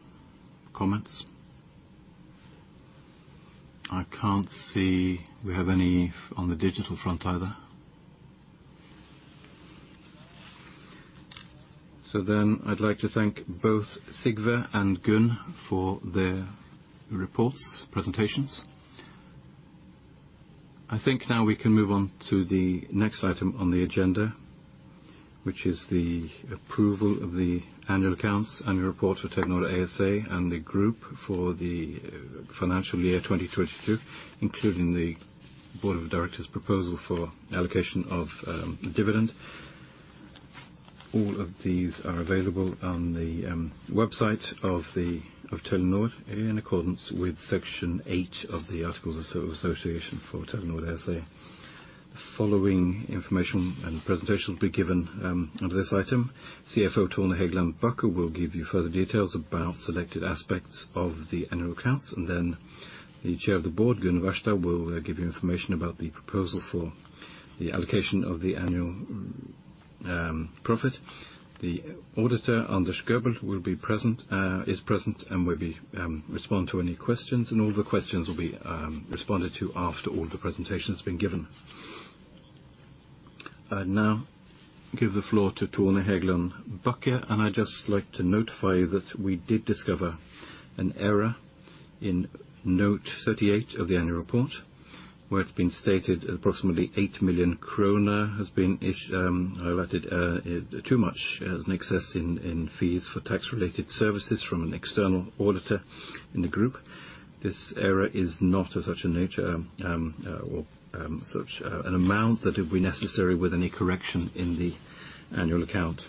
Comments? I can't see we have any on the digital front either. I'd like to thank both Sigve and Gunn for their reports, presentations. I think now we can move on to the next item on the agenda, which is the approval of the annual accounts, annual report for Telenor ASA and the group for the financial year 2022, including the board of directors' proposal for allocation of dividend. All of these are available on the website of Telenor in accordance with Section 8 of the Articles of Association for Telenor ASA. Following information and presentation will be given under this item. CFO Tone Hegland Bachke will give you further details about selected aspects of the annual accounts. The Chair of the Board, Gunn Wærsted, will give you information about the proposal for the allocation of the annual profit. The Auditor, Anders Gøbert, is present and will respond to any questions. All the questions will be responded to after all the presentations has been given. I now give the floor to Tone Hegland Bachke, and I'd just like to notify you that we did discover an error in note 38 of the annual report, where it's been stated approximately 8 million kroner has been allotted, too much in excess in fees for tax-related services from an external auditor in the group. This error is not of such a nature, or such an amount that it would be necessary with any correction in the annual account.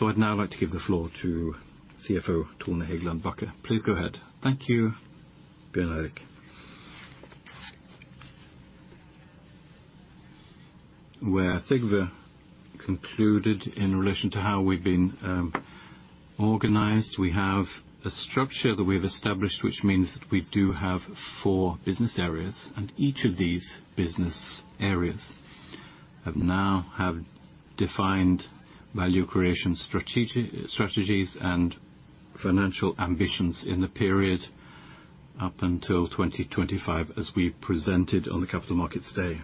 I'd now like to give the floor to CFO, Tone Hegland Bachke. Please go ahead. Thank you, Bjørn Erik. Where Sigve concluded in relation to how we've been organized, we have a structure that we've established, which means that we do have four business areas, and each of these business areas have defined value creation strategies and financial ambitions in the period up until 2025, as we presented on the Capital Markets Day.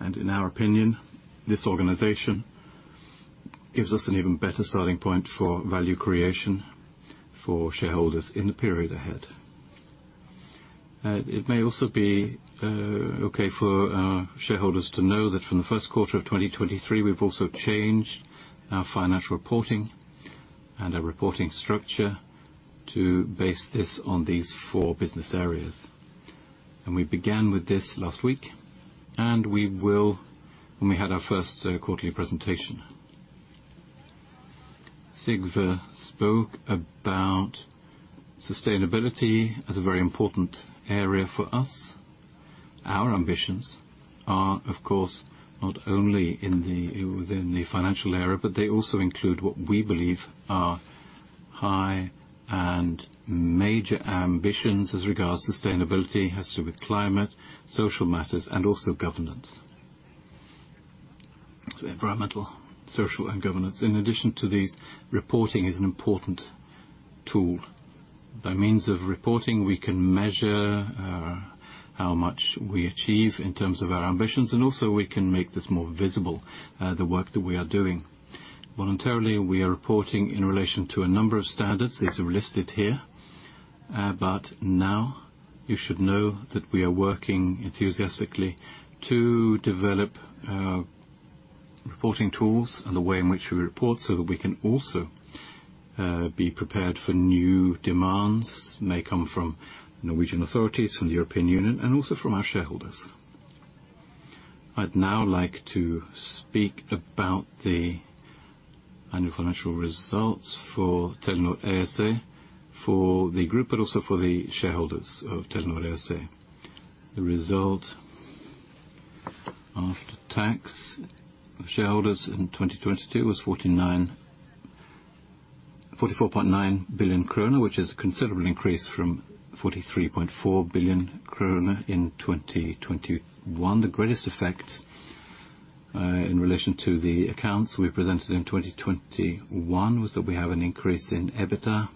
In our opinion, this organization gives us an even better starting point for value creation for shareholders in the period ahead. It may also be okay for our shareholders to know that from the first quarter of 2023, we've also changed our financial reporting and our reporting structure to base this on these four business areas. We began with this last week, and we will when we had our first quarterly presentation. Sigve spoke about sustainability as a very important area for us. Our ambitions are, of course, not only within the financial area, but they also include what we believe are high and major ambitions as regards to sustainability, has to do with climate, social matters, and also governance. Environmental, Social, and Governance. In addition to these, reporting is an important tool. By means of reporting, we can measure how much we achieve in terms of our ambitions, and also we can make this more visible the work that we are doing. Voluntarily, we are reporting in relation to a number of standards. These are listed here. Now you should know that we are working enthusiastically to develop reporting tools and the way in which we report so that we can also be prepared for new demands may come from Norwegian authorities, from the European Union, and also from our shareholders. I'd now like to speak about the annual financial results for Telenor ASA, for the group, but also for the shareholders of Telenor ASA. The result after tax of shareholders in 2022 was 44.9 billion kroner, which is a considerable increase from 43.4 billion kroner in 2021. The greatest effect in relation to the accounts we presented in 2021 was that we have an increase in EBITDA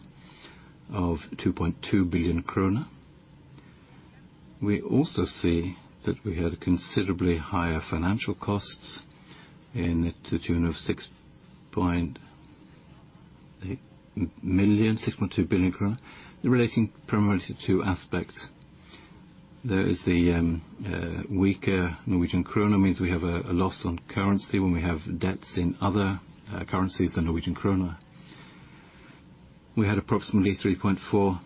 of 2.2 billion kroner. We also see that we had considerably higher financial costs in the tune of 6.2 billion krone relating primarily to two aspects. There is the weaker Norwegian krona, means we have a loss on currency when we have debts in other currencies than Norwegian krona. We had approximately 3.4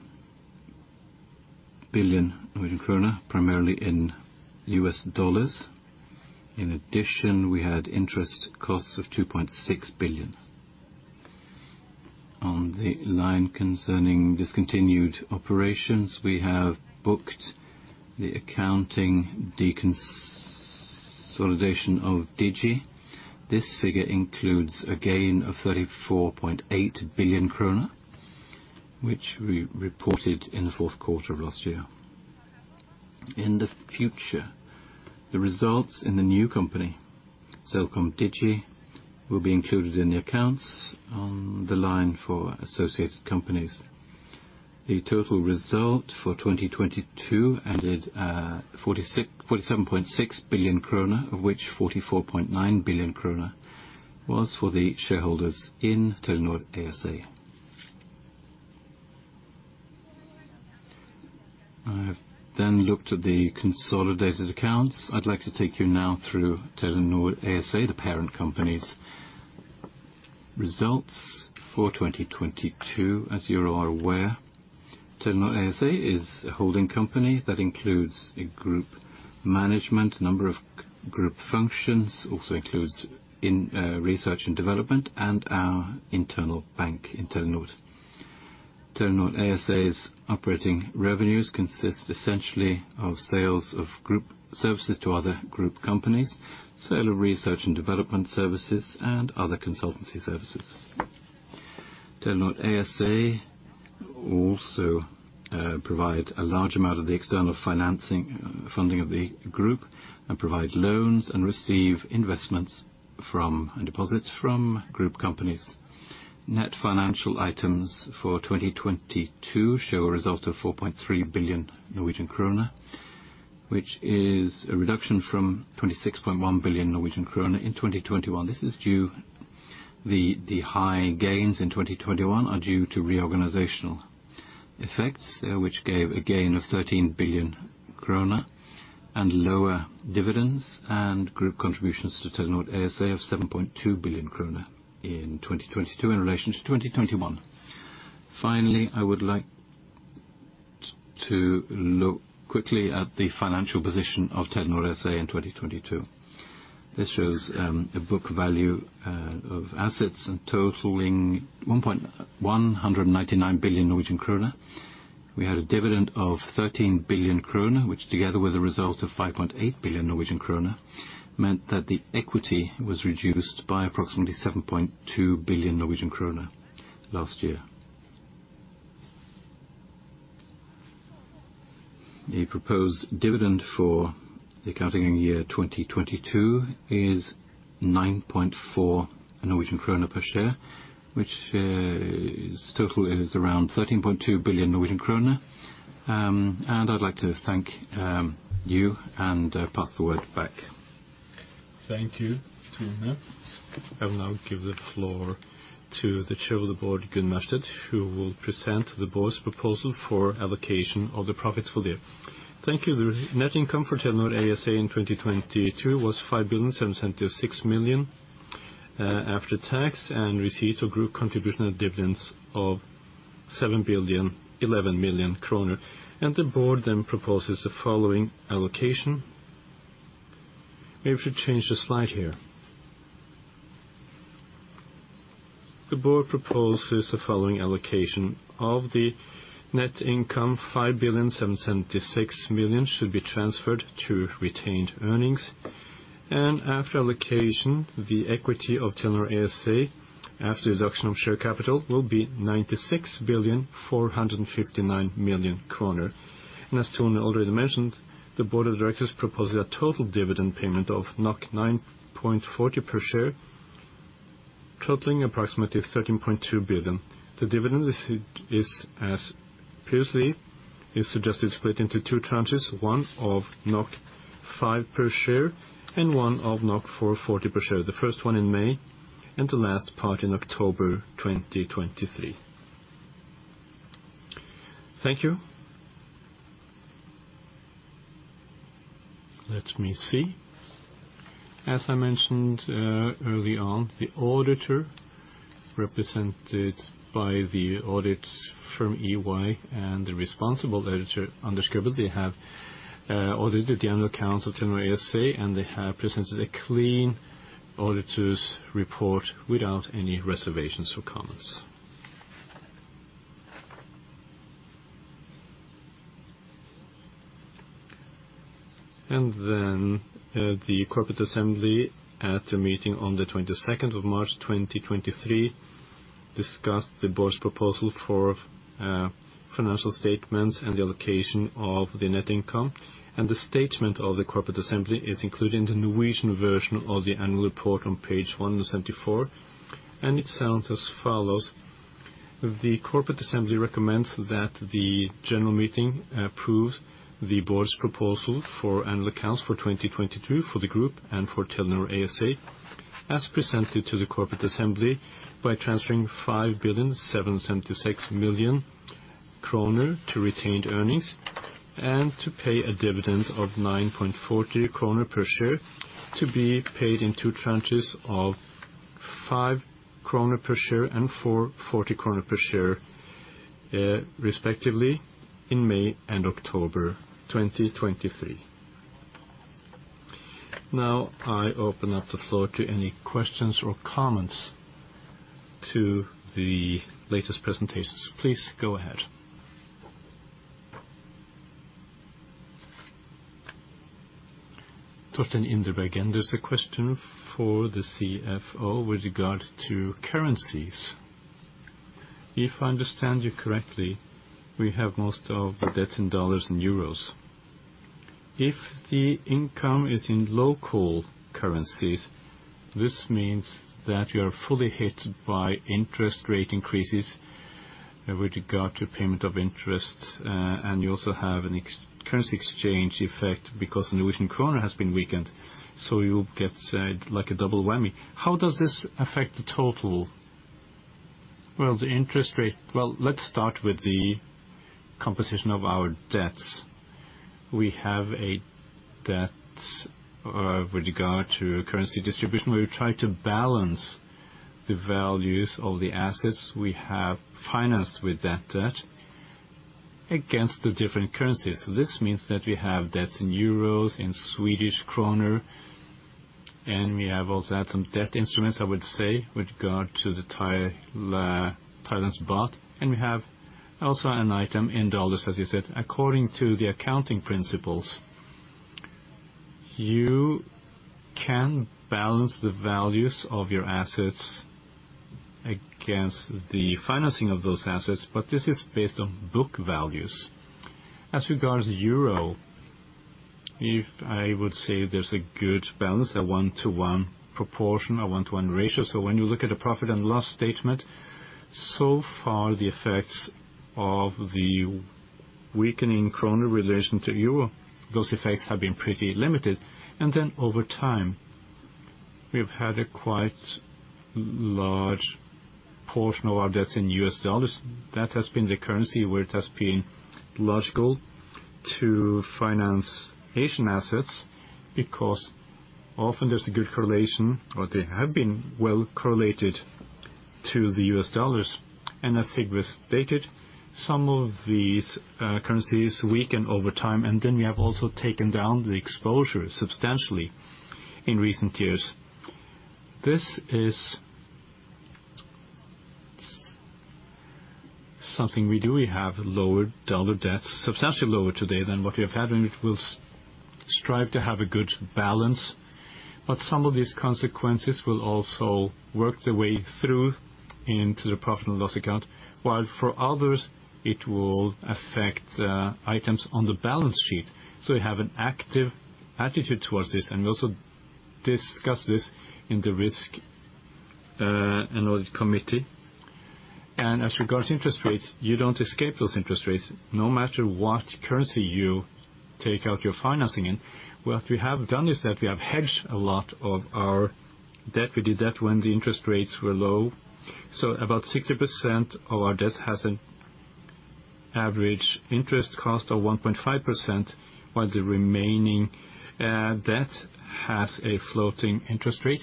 billion Norwegian krona, primarily in U.S. dollars. In addition, we had interest costs of 2.6 billion. On the line concerning discontinued operations, we have booked the accounting, the consolidation of Digi. This figure includes a gain of 34.8 billion kroner, which we reported in the fourth quarter of last year. In the future, the results in the new company, CelcomDigi, will be included in the accounts on the line for associated companies. The total result for 2022 added 47.6 billion kroner, of which 44.9 billion kroner was for the shareholders in Telenor ASA. I have looked at the consolidated accounts. I'd like to take you now through Telenor ASA, the parent company's results for 2022. As you are aware, Telenor ASA is a holding company that includes a group management, number of group functions, also includes in research and development and our internal bank in Telenor. Telenor ASA's operating revenues consist essentially of sales of group services to other group companies, sale of research and development services, and other consultancy services. Telenor ASA also provide a large amount of the external funding of the group, and provide loans, and receive investments from, and deposits from group companies. Net financial items for 2022 show a result of 4.3 billion Norwegian krone, which is a reduction from 26.1 billion Norwegian krone in 2021. This is due the high gains in 2021 are due to reorganizational effects, which gave a gain of 13 billion kroner and lower dividends and group contributions to Telenor ASA of 7.2 billion kroner in 2022 in relation to 2021. Finally, I would like to look quickly at the financial position of Telenor ASA in 2022. This shows a book value of assets totaling 199 billion Norwegian krone. We had a dividend of 13 billion krone, which together with a result of 5.8 billion Norwegian krone, meant that the equity was reduced by approximately 7.2 billion Norwegian krone last year. The proposed dividend for the accounting year 2022 is 9.4 Norwegian krone per share, which total is around 13.2 billion Norwegian kroner. I'd like to thank, you and pass the word back. Thank you, Tone. I will now give the floor to the Chair of the Board, Gunn Wærsted, who will present the board's proposal for allocation of the profits for the year. Thank you. The net income for Telenor ASA in 2022 was 5,766 million after tax and receipt of group contribution and dividends of 7,011 million kroner. The board proposes the following allocation. Maybe if you change the slide here. The board proposes the following allocation of the net income, 5,776 million should be transferred to retained earnings. After allocation, the equity of Telenor ASA after deduction of share capital will be 96,459 million kroner. As Tone already mentioned, the board of directors proposes a total dividend payment of 9.40 per share, totaling approximately 13.2 billion. The dividend is as previously suggested, split into two tranches, one of 5 per share and one of 4.40 per share. The first one in May and the last part in October 2023. Thank you. Let me see. As I mentioned, early on, the auditor represented by the audit firm EY and the responsible editor, Anders Skjævestad, they have audited the annual accounts of Telenor ASA, and they have presented a clean auditor's report without any reservations or comments. The corporate assembly at a meeting on the 22nd of March 2023 discussed the board's proposal for financial statements and the allocation of the net income. The statement of the Corporate Assembly is included in the Norwegian version of the annual report on page 174, and it sounds as follows: "The Corporate Assembly recommends that the general meeting approves the board's proposal for annual accounts for 2022 for the group and for Telenor ASA as presented to the Corporate Assembly by transferring 5,776 million kroner to retained earnings and to pay a dividend of 9.40 kroner per share to be paid in two tranches of 5 kroner per share and 4.40 kroner per share, respectively in May and October 2023." I open up the floor to any questions or comments to the latest presentations. Please go ahead. Torstein Indreby, there's a question for the CFO with regards to currencies. If I understand you correctly, we have most of the debts in dollars and euros. If the income is in local currencies, this means that you're fully hit by interest rate increases with regard to payment of interest, and you also have an ex-currency exchange effect because the Norwegian kroner has been weakened, so you get like a double whammy. How does this affect the total? Well, let's start with the composition of our debts. We have a debt with regard to currency distribution. We try to balance the values of the assets we have financed with that debt against the different currencies. This means that we have debts in EUR, in SEK, and we have also had some debt instruments, I would say, with regard to the Thai, Thailand's THB, and we have also an item in U.S. dollars, as you said. According to the accounting principles, you can balance the values of your assets against the financing of those assets, this is based on book values. As regards EUR, if I would say there's a good balance, a one-to-one proportion, a one-to-one ratio. When you look at the profit and loss statement, so far the effects of the weakening SEK relation to EUR, those effects have been pretty limited. Over time, we have had a quite large portion of our debts in U.S. dollars. That has been the currency where it has been logical to finance Asian assets because often there's a good correlation, or they have been well correlated to the U.S. dollars. As Sigve stated, some of these currencies weaken over time, and then we have also taken down the exposure substantially in recent years. This is something we do. We have lower dollar debts, substantially lower today than what we have had, and we will strive to have a good balance. Some of these consequences will also work their way through into the profit and loss account, while for others it will affect items on the balance sheet. We have an active attitude towards this, and we also discuss this in the risk and audit committee. As regards interest rates, you don't escape those interest rates no matter what currency you take out your financing in. What we have done is that we have hedged a lot of our debt. We did that when the interest rates were low. About 60% of our debt has an average interest cost of 1.5%, while the remaining debt has a floating interest rate,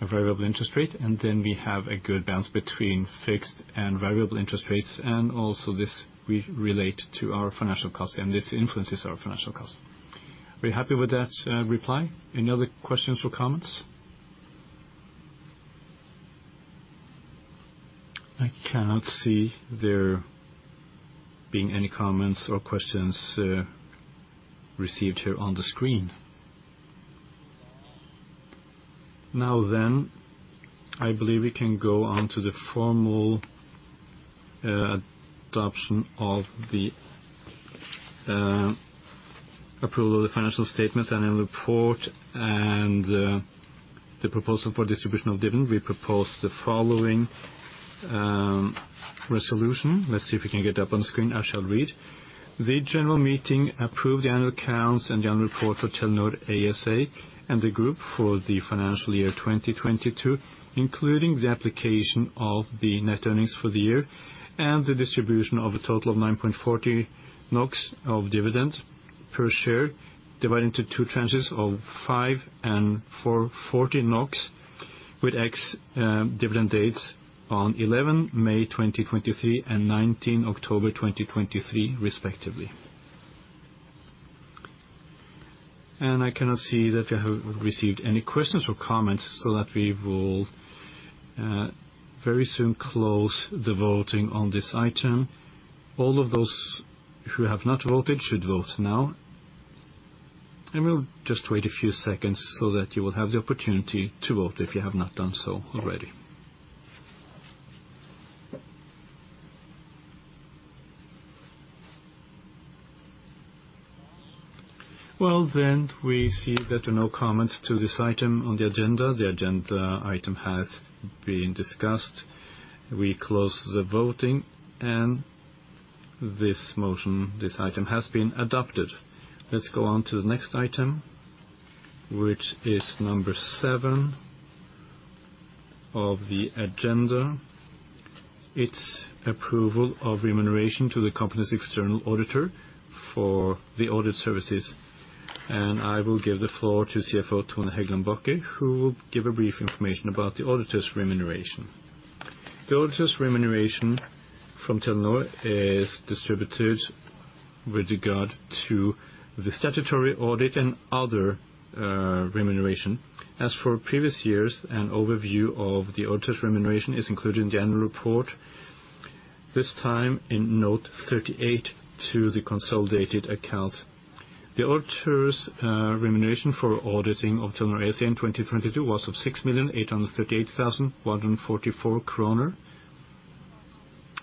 a variable interest rate. Then we have a good balance between fixed and variable interest rates, and also this we relate to our financial costs, and this influences our financial costs. Are you happy with that reply? Any other questions or comments? I cannot see there being any comments or questions received here on the screen. I believe we can go on to the formal adoption of the approval of the financial statements and annual report and the proposal for distribution of dividend. We propose the following resolution. Let's see if we can get up on screen. I shall read. The general meeting approved the annual accounts and the annual report for Telenor ASA and the group for the financial year 2022, including the application of the net earnings for the year and the distribution of a total of 9.40 NOK of dividend per share, divided into two trenches of 5 and 4.40 NOK, with ex-dividend dates on 11 May 2023 and 19th October 2023 respectively. I cannot see that we have received any questions or comments so that we will very soon close the voting on this item. All of those who have not voted should vote now. We'll just wait a few seconds so that you will have the opportunity to vote if you have not done so already. We see that there are no comments to this item on the agenda. The agenda item has been discussed. We close the voting and this motion, this item has been adopted. Let's go on to the next item, which is number seven of the agenda. It's approval of remuneration to the company's external auditor for the audit services. I will give the floor to CFO Tone Hegland Bachke, who will give a brief information about the auditor's remuneration. The auditor's remuneration from Telenor is distributed with regard to the statutory audit and other remuneration. As for previous years, an overview of the auditor's remuneration is included in the annual report, this time in note 38 to the consolidated accounts. The auditor's remuneration for auditing of Telenor ASA in 2022 was of NOK 6,838,144.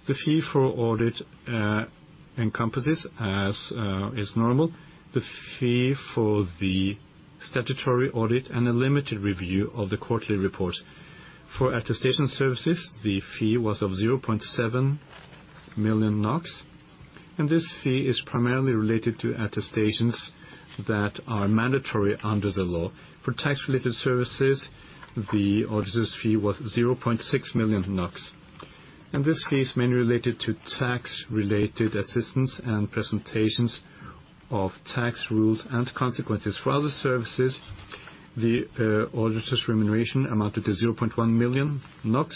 The fee for audit encompasses as is normal. The fee for the statutory audit and a limited review of the quarterly report. For attestation services, the fee was of 0.7 million NOK, and this fee is primarily related to attestations that are mandatory under the law. For tax-related services, the auditor's fee was 0.6 million NOK, and this fee is mainly related to tax-related assistance and presentations of tax rules and consequences. For other services, the auditor's remuneration amounted to 0.1 million NOK,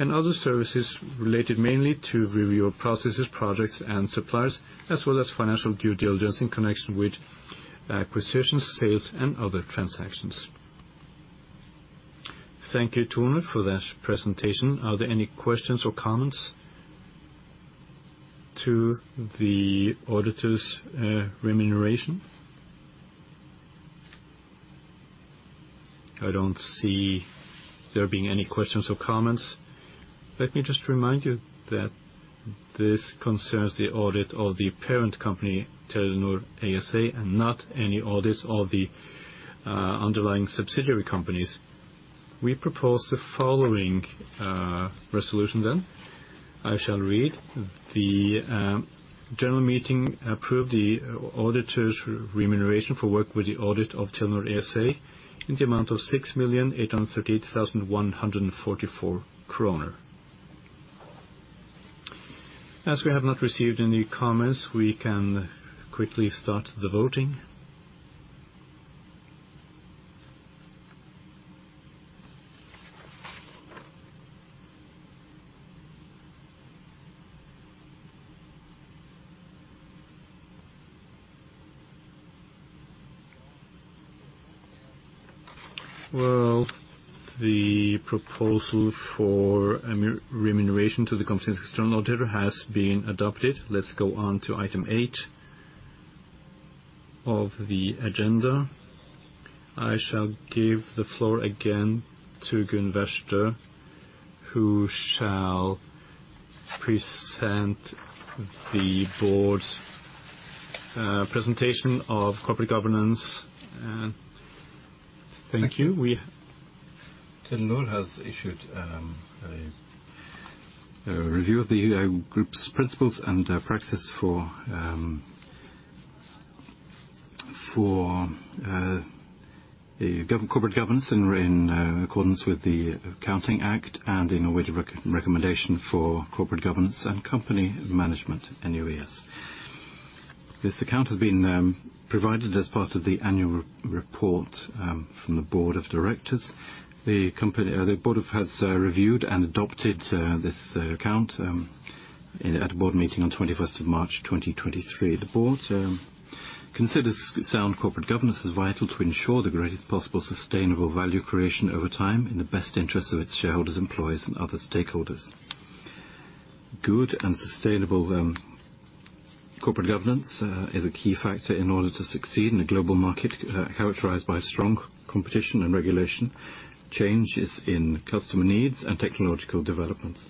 and other services related mainly to review of processes, products, and suppliers, as well as financial due diligence in connection with acquisitions, sales, and other transactions. Thank you, Tone, for that presentation. Are there any questions or comments to the auditor's remuneration? I don't see there being any questions or comments. Let me just remind you that this concerns the audit of the parent company, Telenor ASA, and not any audits of the underlying subsidiary companies. We propose the following resolution then. I shall read. The general meeting approved the auditor's remuneration for work with the audit of Telenor ASA in the amount of 6,838,144 kroner. As we have not received any comments, we can quickly start the voting. Well, the proposal for re-remuneration to the company's external auditor has been adopted. Let's go on to item eight of the agenda. I shall give the floor again to Gunn Wærsted, who shall present the Board's presentation of corporate governance. Thank you. Telenor has issued a review of the group's principles and practices for corporate governance and we're in accordance with the Accounting Act and the Norwegian re-recommendation for corporate governance and company management, NUES. This account has been provided as part of the annual re-report from the Board of Directors. The Board has reviewed and adopted this account at a Board meeting on 21st of March, 2023. The Board considers sound corporate governance as vital to ensure the greatest possible sustainable value creation over time in the best interest of its shareholders, employees, and other stakeholders. Good and sustainable corporate governance is a key factor in order to succeed in a global market, characterized by strong competition and regulation, changes in customer needs, and technological developments.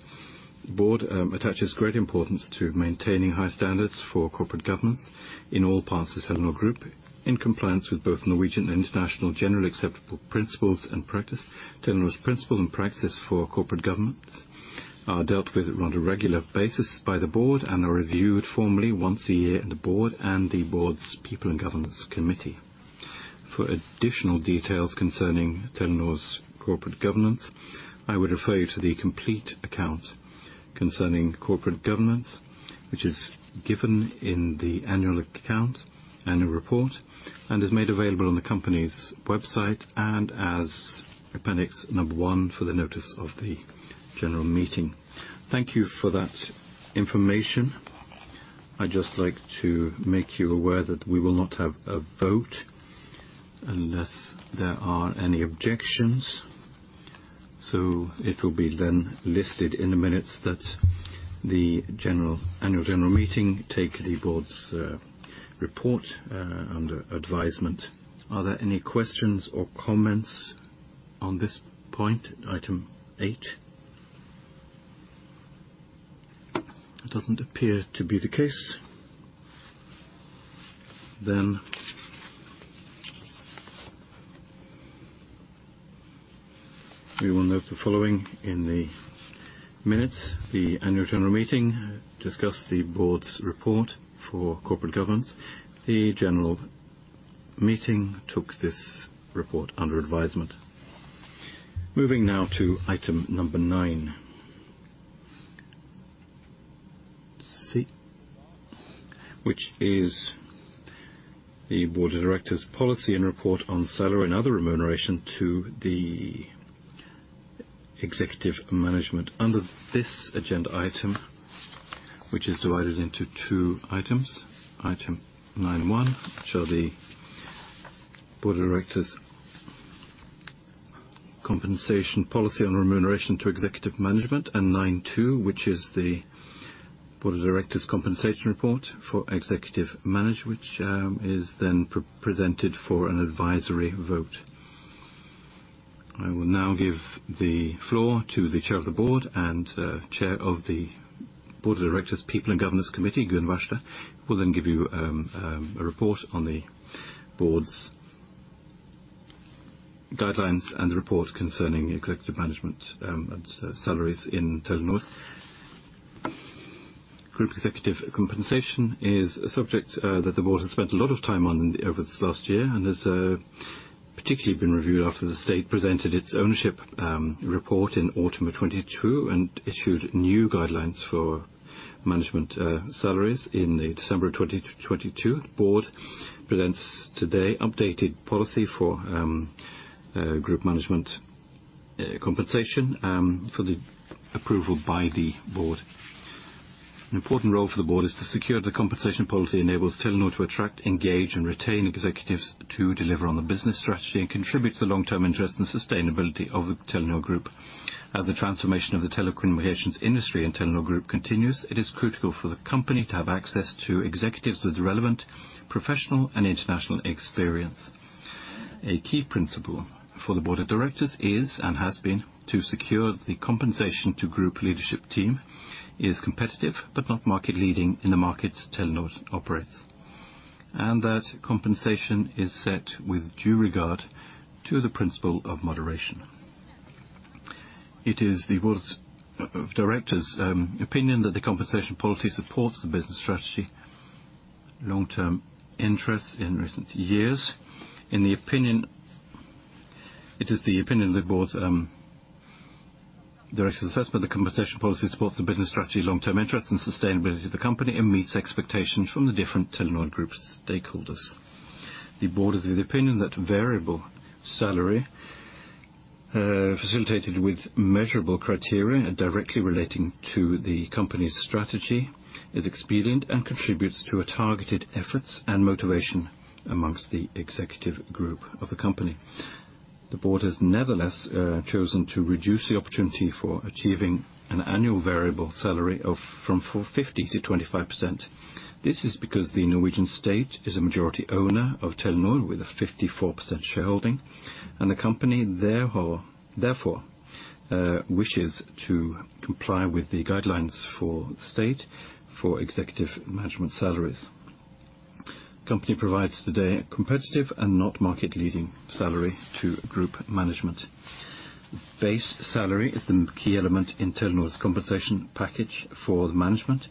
Board attaches great importance to maintaining high standards for corporate governance in all parts of Telenor Group, in compliance with both Norwegian and international generally acceptable principles and practice. Telenor's principle and practices for corporate governance are dealt with on a regular basis by the board and are reviewed formally once a year at the board and the board's People and Governance Committee. For additional details concerning Telenor's corporate governance, I would refer you to the complete account concerning corporate governance, which is given in the annual account, annual report, and is made available on the company's website and as appendix number one for the notice of the general meeting. Thank you for that information. I'd just like to make you aware that we will not have a vote unless there are any objections. It will be then listed in the minutes that the annual general meeting take the Board's report under advisement. Are there any questions or comments on this point, item eight? It doesn't appear to be the case. We will note the following in the minutes. The annual general meeting discussed the Board's report for corporate governance. The general meeting took this report under advisement. Moving now to item number nine. Which is the Board of Directors policy and report on salary and other remuneration to the executive management. Under this agenda item, which is divided into two items. Item 9.1, which are the Board of Directors compensation policy on remuneration to executive management, and 9.2, which is the Board of Directors compensation report for executive manage, which is then pre-presented for an advisory vote. I will now give the floor to the Chair of the Board and Chair of the Board of Directors People and Governance Committee, Gunn Wærsted. Will then give you a report on the board's guidelines and the report concerning executive management and salaries in Telenor. Group executive compensation is a subject that the board has spent a lot of time on over this last year and has particularly been reviewed after the state presented its ownership report in autumn of 22 and issued new guidelines for management salaries in the December of 2022. Board presents today updated policy for group management compensation for the approval by the Board. Important role for the Board is to secure the compensation policy enables Telenor to attract, engage, and retain executives to deliver on the business strategy and contribute to the long-term interest and sustainability of the Telenor Group. The transformation of the telecommunications industry and Telenor Group continues, it is critical for the company to have access to executives with relevant professional and international experience. Key principle for the Board of Directors is and has been to secure the compensation to group leadership team is competitive but not market-leading in the markets Telenor operates, and that compensation is set with due regard to the principle of moderation. It is the Board of Directors' opinion that the compensation policy supports the business strategy long-term interests in recent years. It is the opinion of the board's directors assessment the compensation policy supports the business strategy, long-term interest, and sustainability of the company and meets expectations from the different Telenor group stakeholders. The board is of the opinion that variable salary facilitated with measurable criteria directly relating to the company's strategy is expedient and contributes to a targeted efforts and motivation amongst the executive group of the company. The board has nevertheless chosen to reduce the opportunity for achieving an annual variable salary from 50% to 25%. This is because the Norwegian state is a majority owner of Telenor with a 54% shareholding, the company therefore wishes to comply with the guidelines for state for executive management salaries. Company provides today competitive and not market-leading salary to group management. Base salary is the key element in Telenor's compensation package for the management,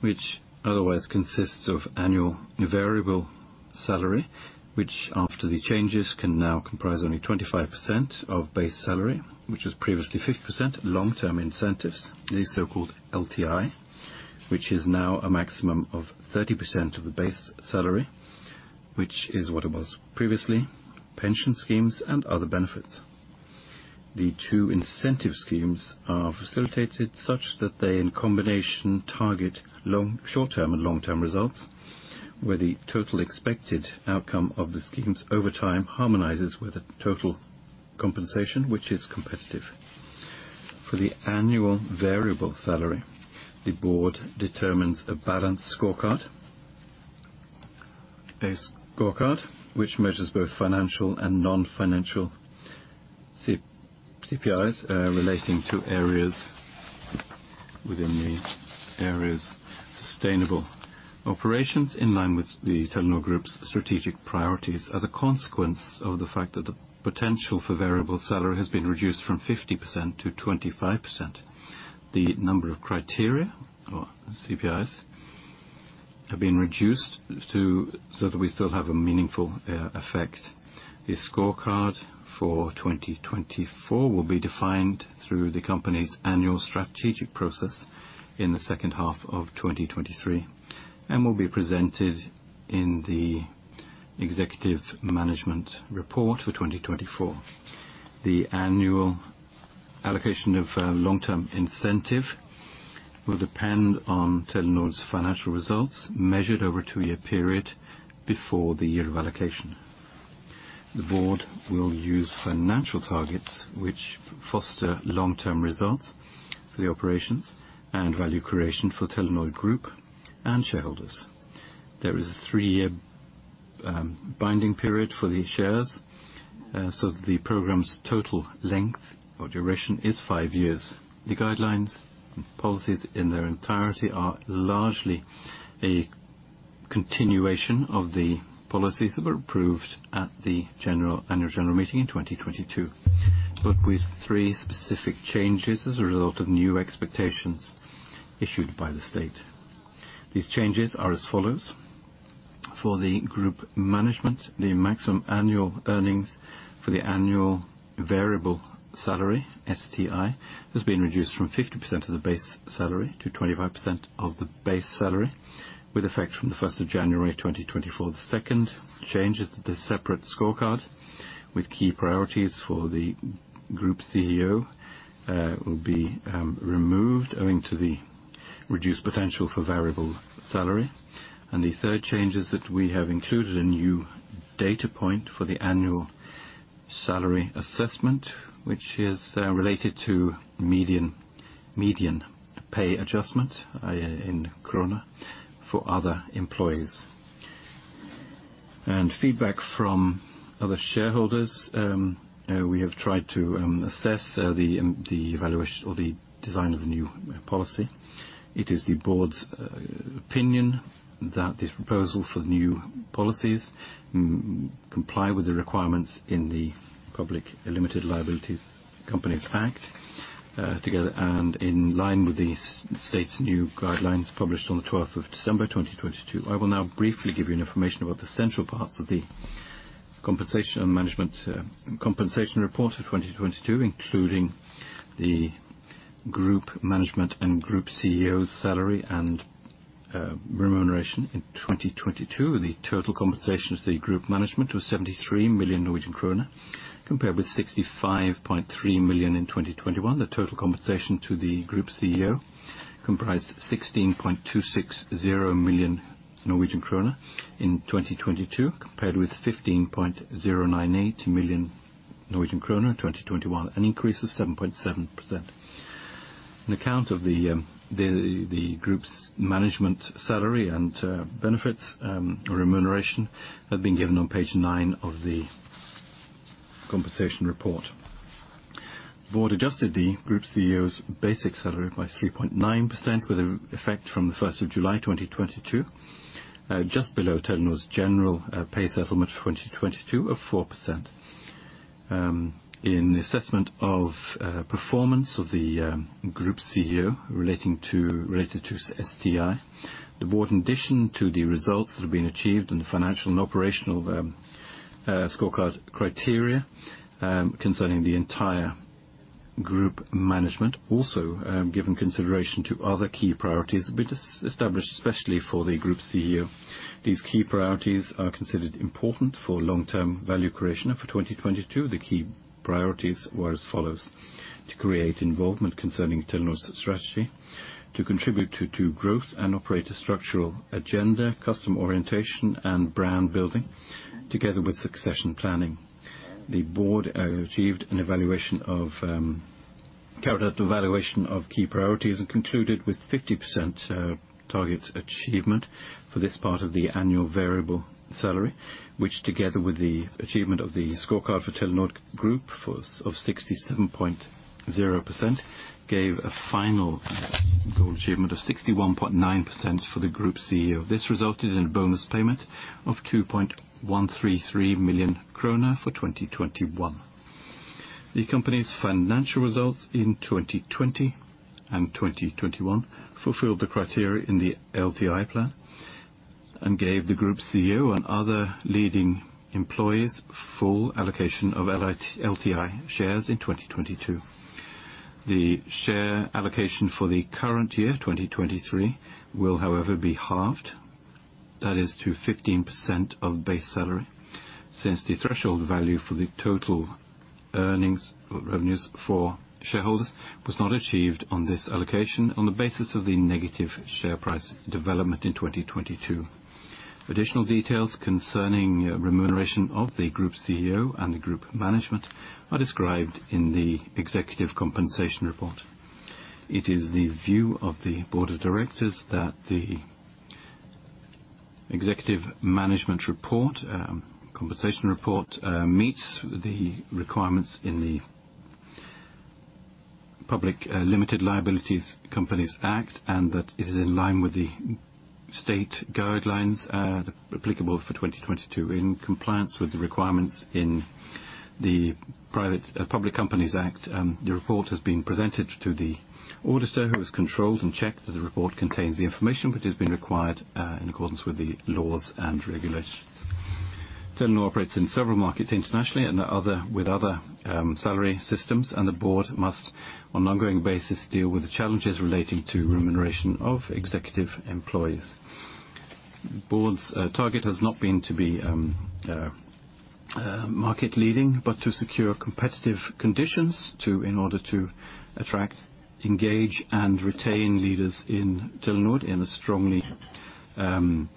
which otherwise consists of annual variable salary, which after the changes can now comprise only 25% of base salary, which was previously 50% long-term incentives, the so-called LTI, which is now a maximum of 30% of the base salary, which is what it was previously, pension schemes and other benefits. The two incentive schemes are facilitated such that they in combination target short-term and long-term results, where the total expected outcome of the schemes over time harmonizes with the total compensation, which is competitive. For the annual variable salary, the board determines a balanced scorecard. A scorecard which measures both financial and non-financial KPIs relating to areas within the areas sustainable operations in line with the Telenor Group's strategic priorities. As a consequence of the fact that the potential for variable salary has been reduced from 50% to 25%, the number of criteria or KPIs have been reduced so that we still have a meaningful effect. The scorecard for 2024 will be defined through the company's annual strategic process in the second half of 2023, and will be presented in the executive management report for 2024. The annual allocation of long-term incentive will depend on Telenor's financial results, measured over a two-year period before the year of allocation. The board will use financial targets which foster long-term results for the operations and value creation for Telenor Group and shareholders. There is a three-year binding period for the shares. The program's total length or duration is five years. The guidelines and policies in their entirety are largely a continuation of the policies that were approved at the annual general meeting in 2022, but with three specific changes as a result of new expectations issued by the state. These changes are as follows. For the group management, the maximum annual earnings for the annual variable salary, STI, has been reduced from 50% of the base salary to 25% of the base salary, with effect from January 1st, 2024. The second change is that the separate scorecard with key priorities for the Group CEO will be removed owing to the reduced potential for variable salary. The third change is that we have included a new data point for the annual salary assessment, which is related to median pay adjustment in kroner for other employees. Feedback from other shareholders, we have tried to assess the design of the new policy. It is the board's opinion that this proposal for the new policies comply with the requirements in the Public Limited Liability Companies Act, together and in line with the State's new guidelines published on the 12th of December 2022. I will now briefly give you information about the central parts of the compensation and management compensation report of 2022, including the group management and group CEO's salary and remuneration in 2022. The total compensation to the group management was 73 million Norwegian kroner, compared with 65.3 million in 2021. The total compensation to the group CEO comprised 16.260 million Norwegian kroner in 2022, compared with 15.098 million Norwegian kroner in 2021, an increase of 7.7%. An account of the group's management salary and benefits or remuneration have been given on page nine of the compensation report. The board adjusted the group CEO's basic salary by 3.9% with effect from the 1st of July 2022, just below Telenor's general pay settlement of 2022 of 4%. In the assessment of performance of the group CEO relating to... related to STI, the board, in addition to the results that have been achieved in the financial and operational scorecard criteria, concerning the entire group management, also given consideration to other key priorities that have been established, especially for the Group CEO. These key priorities are considered important for long-term value creation. For 2022, the key priorities were as follows: to create involvement concerning Telenor's strategy, to contribute to growth and operate a structural agenda, customer orientation and brand building together with succession planning. The board carried out the evaluation of key priorities and concluded with 50% targets achievement for this part of the annual variable salary, which together with the achievement of the scorecard for Telenor Group of 67.0%, gave a final goal achievement of 61.9% for the Group CEO. This resulted in a bonus payment of 2.133 million kroner for 2021. The company's financial results in 2020 and 2021 fulfilled the criteria in the LTI plan and gave the Group CEO and other leading employees full allocation of LTI shares in 2022. The share allocation for the current year, 2023, will however be halved, that is to 15% of base salary, since the threshold value for the total earnings or revenues for shareholders was not achieved on this allocation on the basis of the negative share price development in 2022. Additional details concerning remuneration of the Group CEO and the group management are described in the executive compensation report. It is the view of the board of directors that the executive management report, compensation report meets the requirements in the Public Limited Liability Companies Act and that it is in line with the state guidelines applicable for 2022. In compliance with the requirements in the Public Companies Act, the report has been presented to the auditor who has controlled and checked that the report contains the information that has been required in accordance with the laws and regulations. Telenor operates in several markets internationally and with other salary systems, and the board must, on an ongoing basis, deal with the challenges relating to remuneration of executive employees. Board's target has not been to be market leading, but to secure competitive conditions in order to attract, engage, and retain leaders in Telenor in a strongly and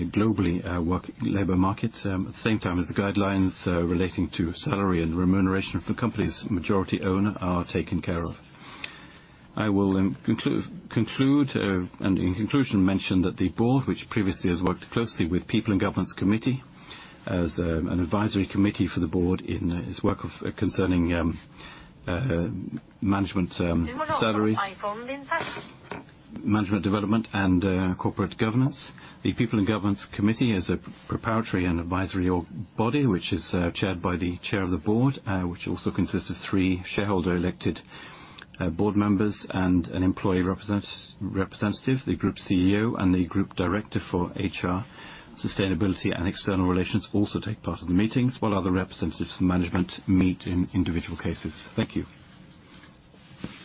a globally work labor market, at the same time as the guidelines relating to salary and remuneration of the company's majority owner are taken care of. I will conclude in conclusion, mention that the board, which previously has worked closely with People and Governance Committee as an advisory committee for the board in its work concerning management salaries, management development and corporate governance. The People and Governance Committee is a preparatory and advisory org body which is chaired by the chair of the board, which also consists of three shareholder elected board members and an employee representative. The group CEO and the group director for HR, sustainability, and external relations also take part in the meetings, while other representatives from management meet in individual cases. Thank you.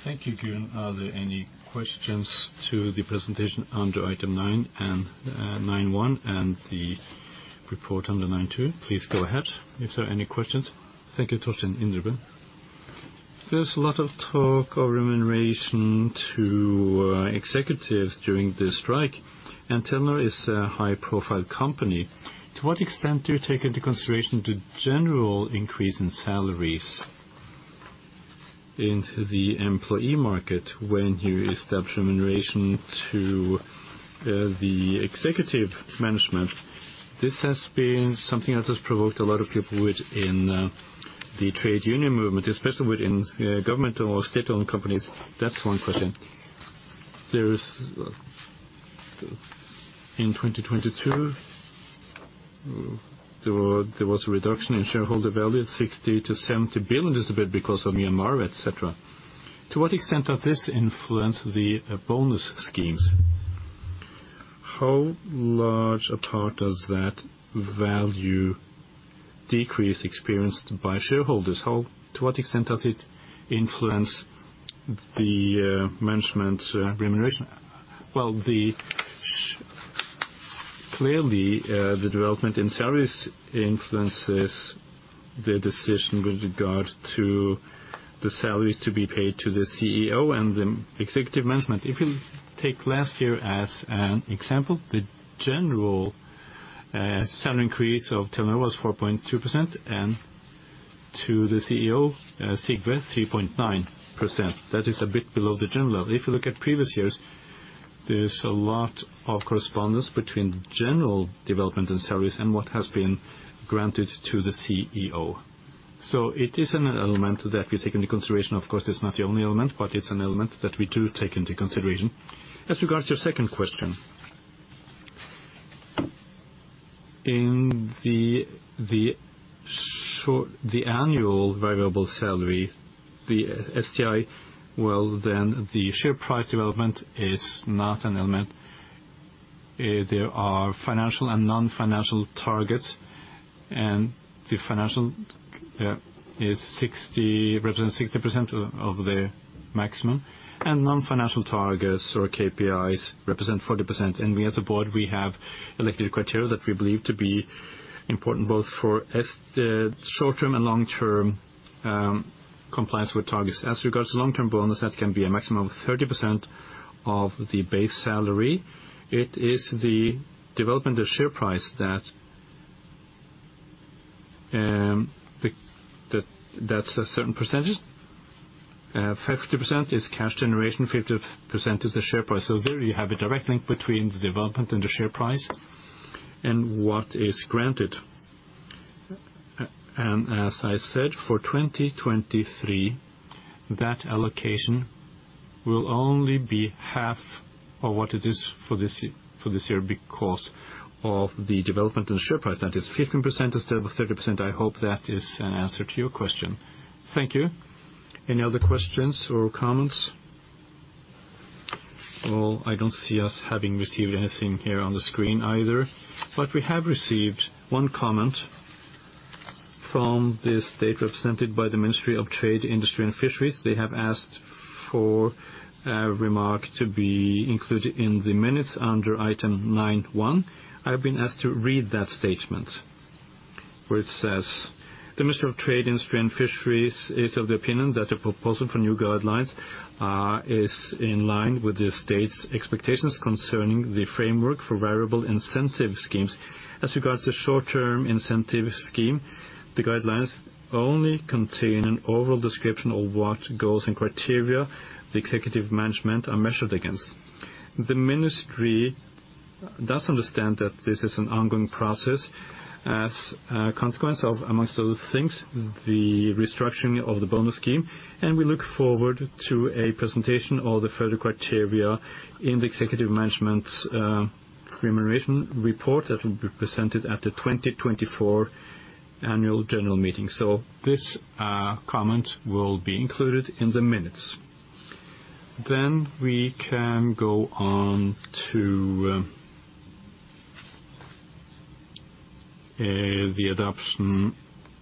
Thank you, Bjørn. Are there any questions to the presentation under item 9 and 9.1 and the report under 9.2? Please go ahead if there are any questions. Thank you, Torstein Indreby. There's a lot of talk of remuneration to executives during the strike, and Telenor is a high-profile company. To what extent do you take into consideration the general increase in salaries into the employee market when you establish remuneration to the executive management? This has been something that has provoked a lot of people within the trade union movement, especially within government or state-owned companies. That's 1 question. In 2022, there was a reduction in shareholder value at 60 billion-70 billion, just a bit because of Myanmar, et cetera. To what extent does this influence the bonus schemes? How large a part does that value decrease experienced by shareholders, to what extent does it influence the management's remuneration? Well, Clearly, the development in salaries influences the decision with regard to the salaries to be paid to the CEO and the executive management. If you take last year as an example, the general salary increase of Telenor was 4.2% and to the CEO, Sigve, 3.9%. That is a bit below the general. If you look at previous years, there's a lot of correspondence between general development in salaries and what has been granted to the CEO. It is an element that we take into consideration. Of course, it's not the only element, but it's an element that we do take into consideration. As regards to your second question, in the annual variable salary, the STI, the share price development is not an element. There are financial and non-financial targets, and the financial represents 60% of the maximum, and non-financial targets or KPIs represent 40%. We as a board, we have elected a criteria that we believe to be important both for the short-term and long-term compliance with targets. As regards to long-term bonus, that can be a maximum of 30% of the base salary. It is the development of share price that's a certain percentage. 50% is cash generation, 50% is the share price. There you have a direct link between the development and the share price and what is granted. As I said, for 2023, that allocation will only be half of what it is for this year because of the development in share price. That is 15% instead of 30%. I hope that is an answer to your question. Thank you. Any other questions or comments? I don't see us having received anything here on the screen either, we have received one comment from the state represented by the Ministry of Trade, Industry, and Fisheries. They have asked for a remark to be included in the minutes under item 9.1. I've been asked to read that statement, where it says, "The Ministry of Trade, Industry and Fisheries is of the opinion that the proposal for new guidelines is in line with the state's expectations concerning the framework for variable incentive schemes. As regards to short-term incentive scheme, the guidelines only contain an overall description of what goals and criteria the executive management are measured against. The Ministry does understand that this is an ongoing process as a consequence of, amongst other things, the restructuring of the bonus scheme, and we look forward to a presentation of the further criteria in the executive management's remuneration report that will be presented at the 2024 annual general meeting. This comment will be included in the minutes. We can go on to the adoption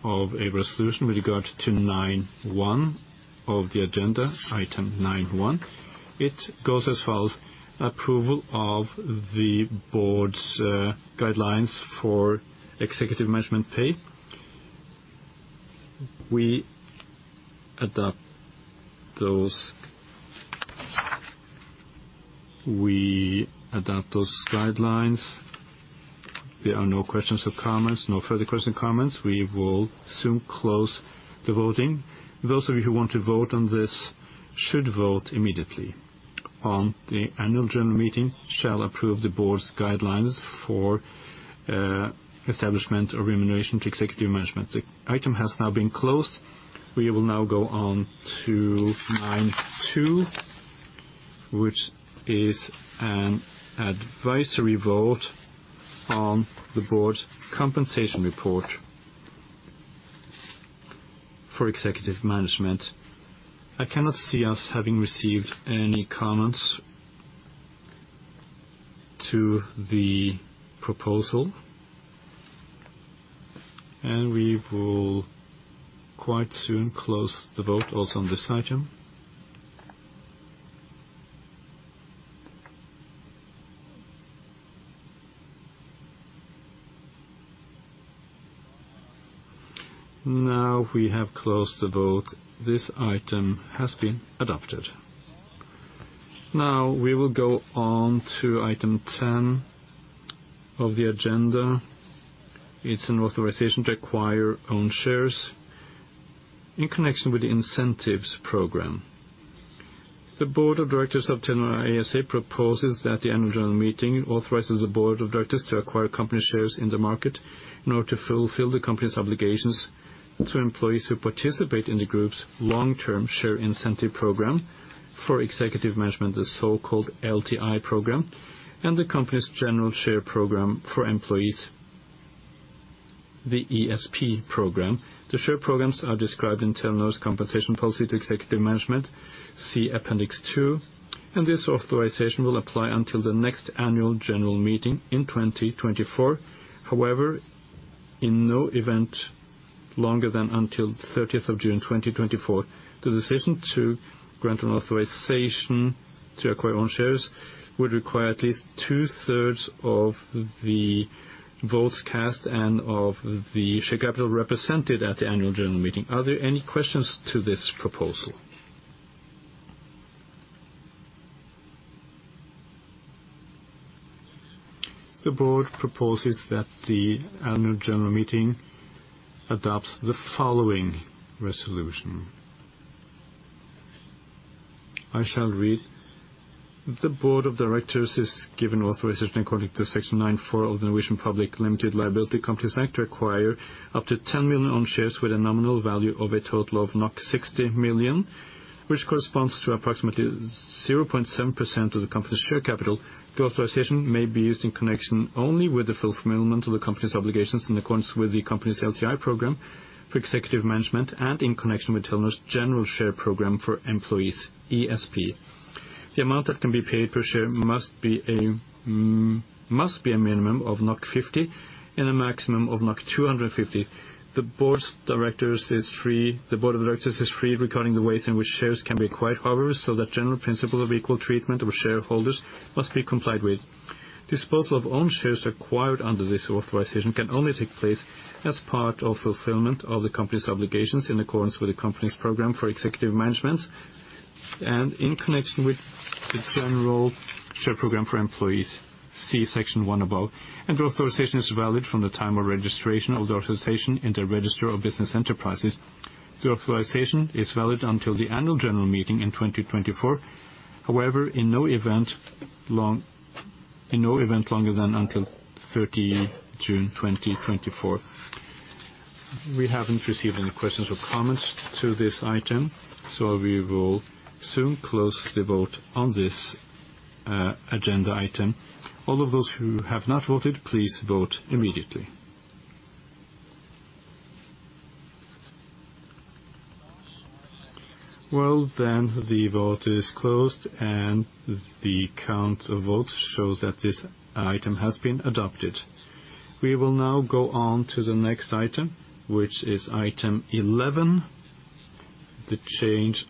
of a resolution with regard to 9.1 of the agenda, item 9.1. It goes as follows: Approval of the board's guidelines for executive management pay. We adopt those. We adopt those guidelines. There are no questions or comments. No further questions or comments. We will soon close the voting. Those of you who want to vote on this should vote immediately on the annual general meeting shall approve the board's guidelines for establishment of remuneration to executive management. The item has now been closed. We will now go on to 9.2, which is an advisory vote on the board's compensation report for executive management. I cannot see us having received any comments to the proposal. We will quite soon close the vote also on this item. Now we have closed the vote. This item has been adopted. Now we will go on to item 10 of the agenda. It's an authorization to acquire own shares in connection with the incentives program. The board of directors of Telenor ASA proposes that the annual general meeting authorizes the board of directors to acquire company shares in the market in order to fulfill the company's obligations to employees who participate in the group's long-term share incentive program for executive management, the so-called LTI program, and the company's general share program for employees, the ESP program. The share programs are described in Telenor's compensation policy to executive management, see Appendix 2. This authorization will apply until the next annual general meeting in 2024. However, in no event longer than until 30th of June 2024. The decision to grant an authorization to acquire own shares would require at least 2/3 of the votes cast and of the share capital represented at the annual general meeting. Are there any questions to this proposal? The board proposes that the annual general meeting adopts the following resolution. I shall read. The board of directors is given authorization according to Section 9-4 of the Norwegian Public Limited Liability Companies Act to acquire up to 10 million own shares with a nominal value of a total of 60 million, which corresponds to approximately 0.7% of the company's share capital. The authorization may be used in connection only with the fulfillment of the company's obligations in accordance with the company's LTI program for executive management and in connection with Telenor's general share program for employees, ESP. The amount that can be paid per share must be a minimum of 50 and a maximum of 250. The board of directors is free regarding the ways in which shares can be acquired, however, so that general principle of equal treatment of shareholders must be complied with. Disposal of own shares acquired under this authorization can only take place as part of fulfillment of the company's obligations in accordance with the company's program for executive management and in connection with the general share program for employees, see section one above. The authorization is valid from the time of registration of the authorization in the register of business enterprises. The authorization is valid until the annual general meeting in 2024. However, in no event longer than until 30th June 2024. We haven't received any questions or comments to this item, so we will soon close the vote on this agenda item. All of those who have not voted, please vote immediately. The vote is closed, and the count of votes shows that this item has been adopted. We will now go on to the next item, which is item 11, the change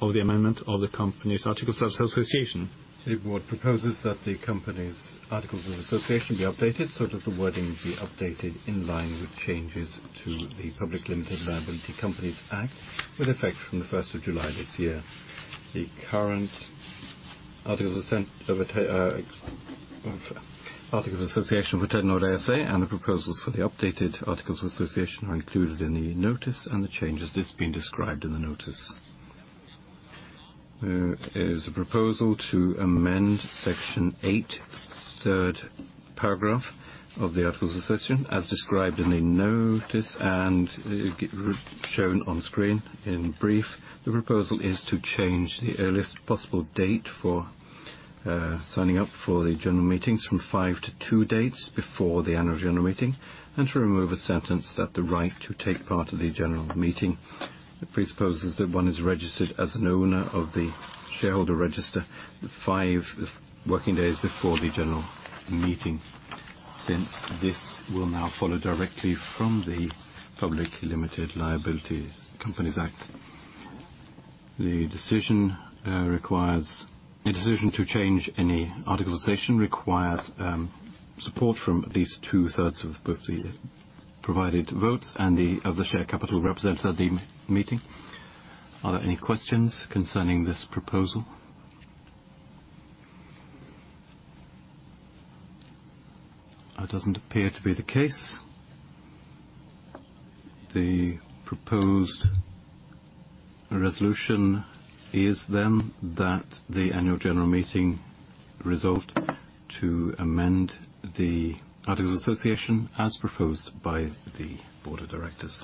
or the amendment of the company's articles of association. The board proposes that the company's articles of association be updated, so that the wording be updated in line with changes to the Public Limited Liability Companies Act with effect from the 1st of July this year. The current articles of association for Telenor ASA and the proposals for the updated articles of association are included in the notice, and the changes listed and described in the notice. There is a proposal to amend Section Eight, third paragraph of the Articles of Association, as described in the notice and shown on screen. In brief, the proposal is to change the earliest possible date for signing up for the general meetings from five to two dates before the annual general meeting, and to remove a sentence that the right to take part in the general meeting presupposes that one is registered as an owner of the shareholder register five working days before the general meeting. Since this will now follow directly from the Public Limited Liability Companies Act. A decision to change any articles of association requires support from at least two-thirds of both the provided votes and of the share capital represented at the meeting. Are there any questions concerning this proposal? That doesn't appear to be the case. The proposed resolution is that the Annual General Meeting resolve to amend the Articles of Association as proposed by the Board of Directors.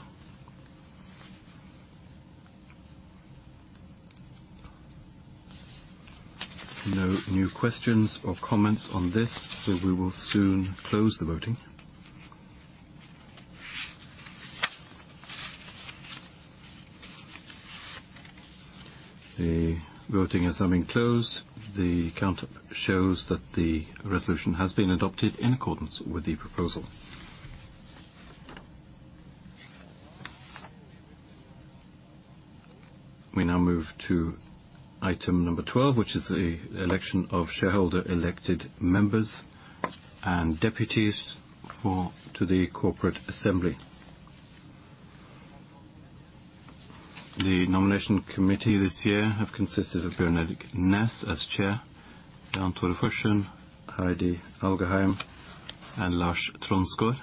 No new questions or comments on this. We will soon close the voting. The voting has now been closed. The count shows that the resolution has been adopted in accordance with the proposal. We now move to item number 12, which is the election of shareholder-elected members and deputies to the Corporate Assembly. The Nomination Committee this year have consisted of Bjørn Erik Næss as Chair, Jan Tore Føsund, Heidi Algharheim, and Lars Tronsgaard.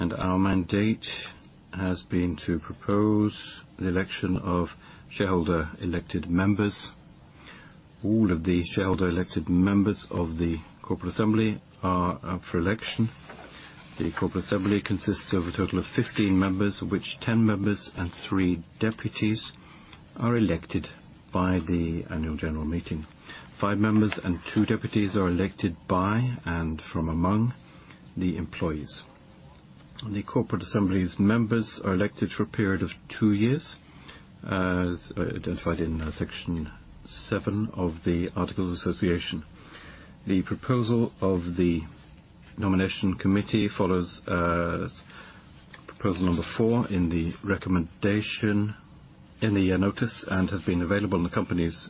Our mandate has been to propose the election of shareholder-elected members. All of the shareholder-elected members of the Corporate Assembly are up for election. The Corporate Assembly consists of a total of 15 members, of which 10 members and three deputies are elected by the Annual General Meeting. Five members and two deputies are elected by and from among the employees. The Corporate Assembly's members are elected for a period of two years, as identified in section seven of the Articles of Association. The proposal of the Nomination Committee follows, proposal number four in the recommendation in the notice and have been available on the company's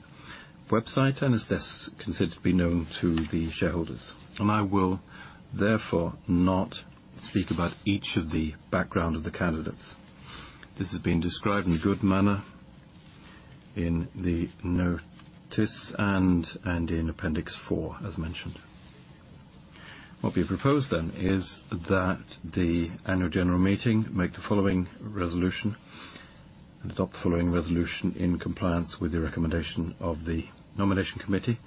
website and is thus considered to be known to the shareholders. I will therefore not speak about each of the background of the candidates. This has been described in good manner in the notice and in Appendix four, as mentioned. What we propose then is that the Annual General Meeting make the following resolution, and adopt the following resolution in compliance with the recommendation of the Nomination Committee.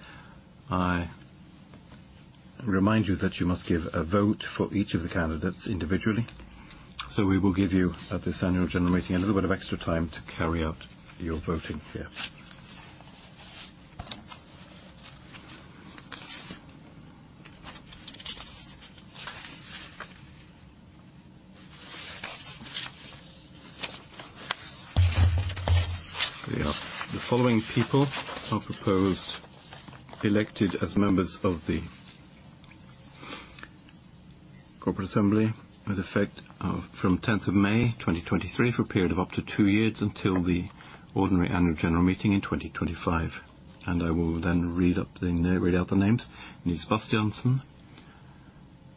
I remind you that you must give a vote for each of the candidates individually. We will give you, at this annual general meeting, a little bit of extra time to carry out your voting here. The following people are proposed, elected as members of the corporate assembly with effect from 10th of May, 2023, for a period of up to two years until the ordinary annual general meeting in 2025. I will then read out the names. Nils Bastiansen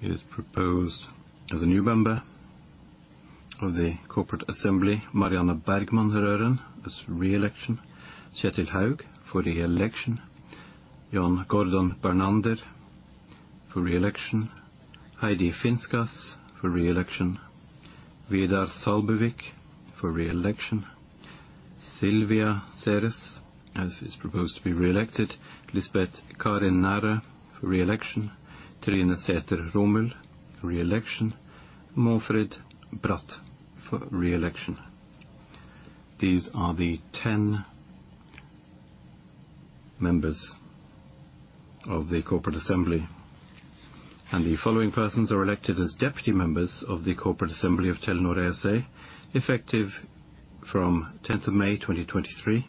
is proposed as a new member of the corporate assembly. Marianne Bergmann Røren is re-election. Kjetil Haug for re-election. Jon Erik Reinhardsen for re-election. Heidi Finskas for re-election. Vidar Salbuvik for re-election. Silvija Seres is proposed to be re-elected. Lisbeth Karin Nærø for re-election. Trine Sæther Romuld, re-election. Maalfrid Brath for re-election. These are the 10 members of the corporate assembly. The following persons are elected as deputy members of the corporate assembly of Telenor ASA, effective from 10th of May, 2023,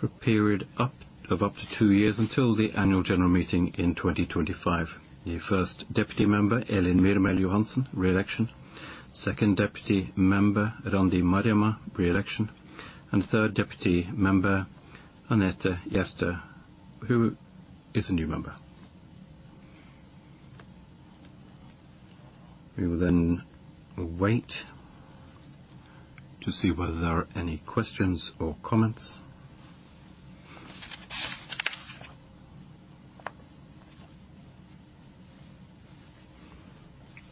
for a period of up to 2 years until the annual general meeting in 2025. The 1st deputy member, Elin Myrmel-Johansen, re-election. 2nd deputy member, Randi Marjamaa, re-election. 3rd deputy member, Anette Hjertø, who is a new member. We will wait to see whether there are any questions or comments.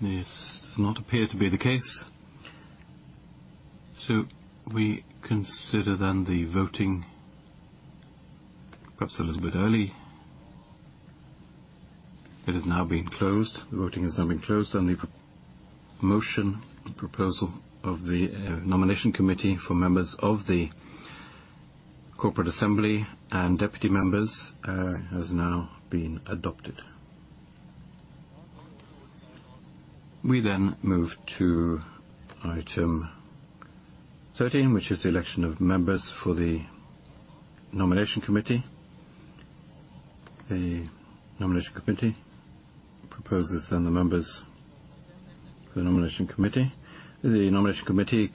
This does not appear to be the case. We consider the voting perhaps a little bit early. It is now being closed. The voting is now being closed on the motion. The proposal of the nomination committee for members of the corporate assembly and deputy members has now been adopted. We move to item 13, which is the election of members for the Nomination Committee. The Nomination Committee proposes then the members for the Nomination Committee. The Nomination Committee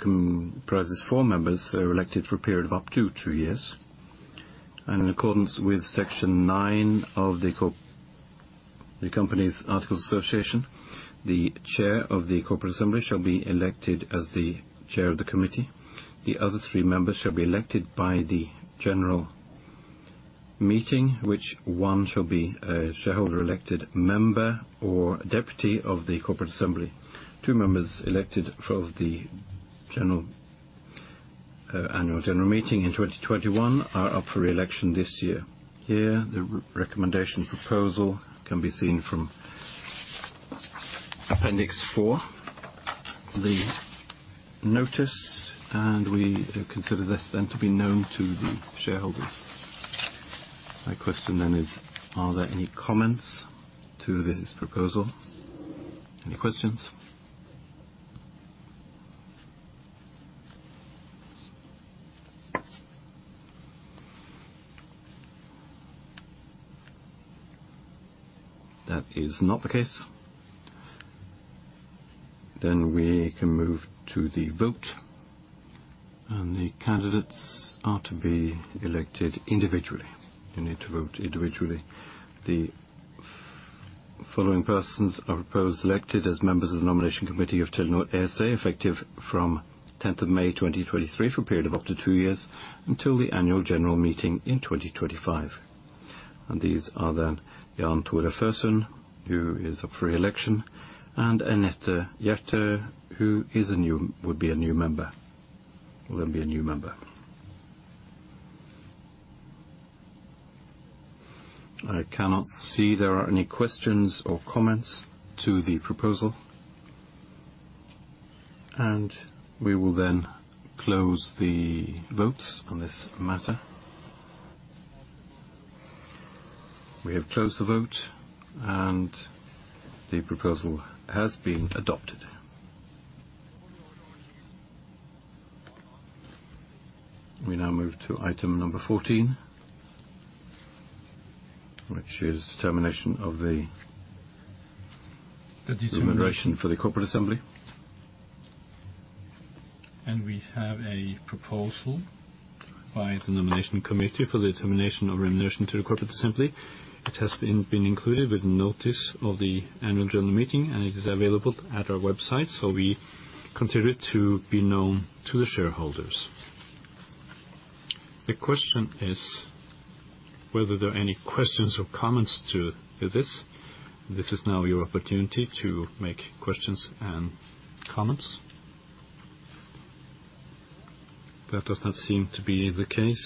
comprises four members elected for a period of up to two years. In accordance with Section 9 of the company's Articles of Association, the chair of the Corporate Assembly shall be elected as the chair of the committee. The other three members shall be elected by the general meeting, which 1 shall be a shareholder-elected member or deputy of the Corporate Assembly. Two members elected for the general annual general meeting in 2021 are up for re-election this year. Here, the recommendation proposal can be seen from Appendix 4, the notice, and we consider this then to be known to the shareholders. My question then is, are there any comments to this proposal? Any questions? That is not the case. We can move to the vote. The candidates are to be elected individually. You need to vote individually. The following persons are proposed elected as members of the Nomination Committee of Telenor ASA, effective from 10th of May, 2023, for a period of up to two years, until the annual general meeting in 2025. These are then Jan Tore Føsund, who is up for re-election, and Anette Hjertø, who would be a new member. Will be a new member. I cannot see there are any questions or comments to the proposal. We will then close the votes on this matter. We have closed the vote and the proposal has been adopted. We now move to item number 14, which is termination of. The determination. remuneration for the corporate assembly. We have a proposal by the nomination committee for the termination of remuneration to the corporate assembly, which has been included with notice of the annual general meeting, and it is available at our website, so we consider it to be known to the shareholders. The question is whether there are any questions or comments to this. This is now your opportunity to make questions and comments. That does not seem to be the case.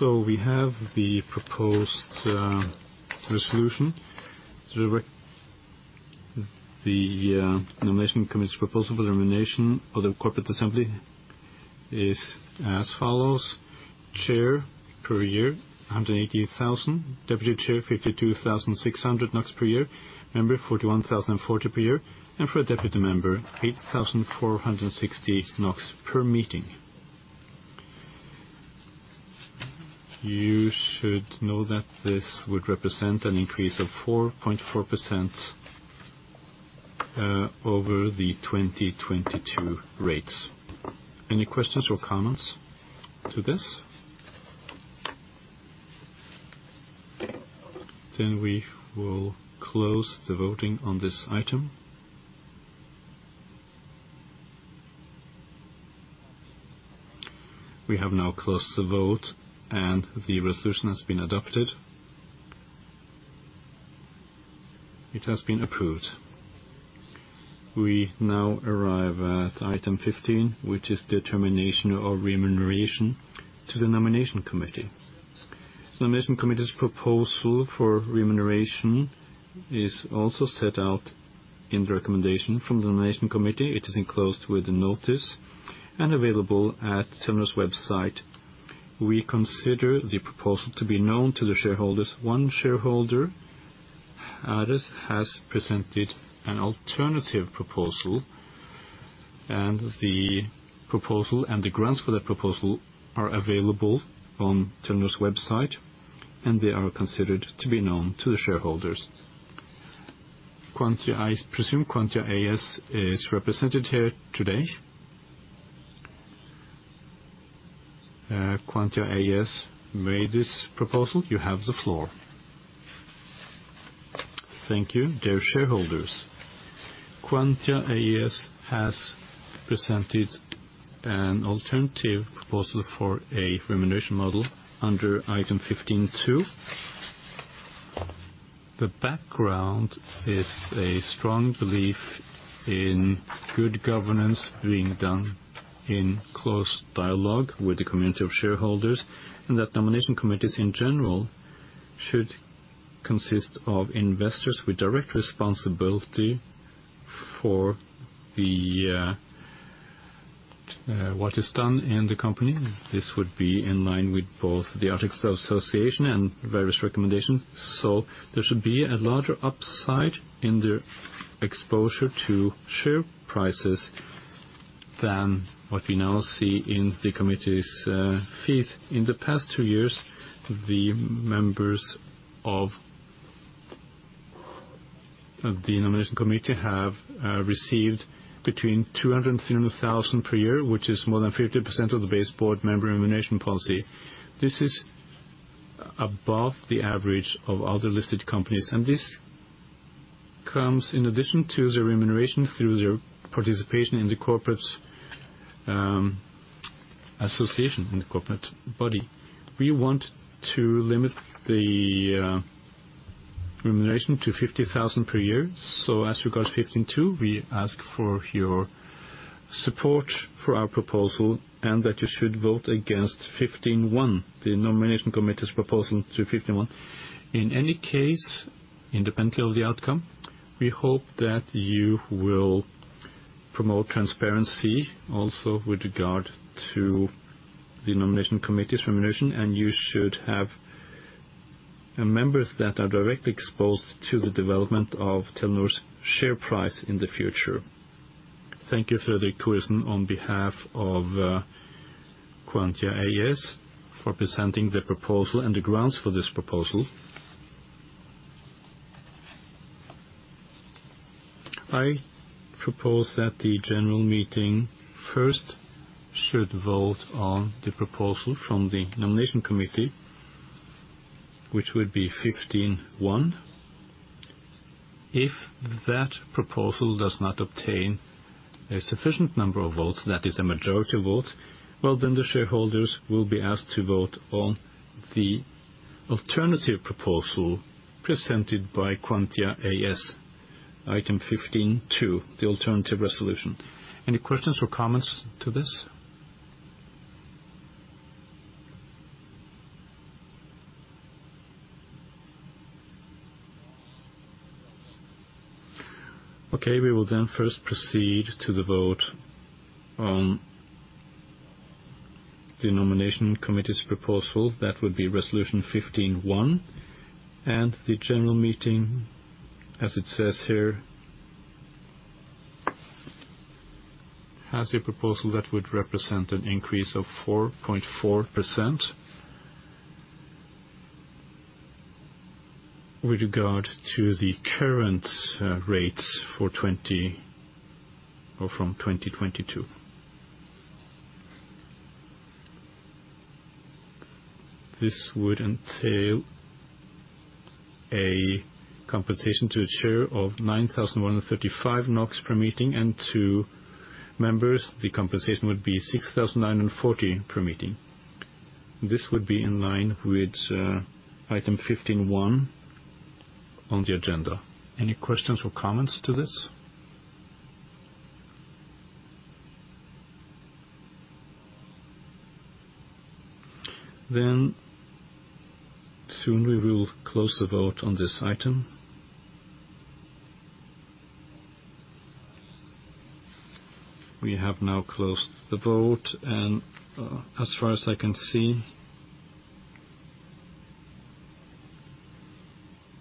We have the proposed resolution. The nomination committee's proposal for the termination of the corporate assembly is as follows: Chair per year, 180,000. Deputy chair, 52,600 NOK per year. Member, 41,040 per year. For a deputy member, 8,460 NOK per meeting. You should know that this would represent an increase of 4.4% over the 2022 rates. Any questions or comments to this? We will close the voting on this item. We have now closed the vote and the resolution has been adopted. It has been approved. We now arrive at item 15, which is the termination of remuneration to the nomination committee. The nomination committee's proposal for remuneration is also set out in the recommendation from the nomination committee. It is enclosed with the notice and available at Telenor's website. We consider the proposal to be known to the shareholders. One shareholder, Addvis, has presented an alternative proposal, and the proposal and the grounds for that proposal are available on Telenor's website, and they are considered to be known to the shareholders. I presume Quantia AS is represented here today. Quantia AS made this proposal. You have the floor. Thank you, dear shareholders. Quantia AS has presented an alternative proposal for a remuneration model under item 15.2. The background is a strong belief in good governance being done in close dialogue with the community of shareholders, that nomination committees in general should consist of investors with direct responsibility for what is done in the company. This would be in line with both the articles of association and various recommendations. There should be a larger upside in their exposure to share prices than what we now see in the committee's fees. In the past two years, the members of the nomination committee have received between 200,000-300,000 per year, which is more than 50% of the base board member remuneration policy. This is above the average of other listed companies. This comes in addition to their remuneration through their participation in the corporate association, in the corporate body. We want to limit the remuneration to 50,000 per year. As regards 15.2, we ask for your support for our proposal and that you should vote against 15.1, the nomination committee's proposal to 15.1. In any case, independently of the outcome, we hope that you will promote transparency also with regard to the nomination committee's remuneration. You should have members that are directly exposed to the development of Telenor's share price in the future. Thank you, Frederick Krusen, on behalf of Quantia AS for presenting the proposal and the grounds for this proposal. I propose that the general meeting first should vote on the proposal from the nomination committee, which would be 15.1. If that proposal does not obtain a sufficient number of votes, that is a majority vote, well, the shareholders will be asked to vote on the alternative proposal presented by Quantia AS, item 15.2, the alternative resolution. Any questions or comments to this? Okay, we will first proceed to the vote on the Nomination Committee's proposal. That would be resolution 15.1. The general meeting, as it says here, has a proposal that would represent an increase of 4.4% with regard to the current rates from 2022. This would entail a compensation to a chair of 9,135 NOK per meeting, and to members, the compensation would be 6,040 NOK per meeting. This would be in line with item 15.1 on the agenda. Any questions or comments to this? Soon we will close the vote on this item. We have now closed the vote, and, as far as I can see,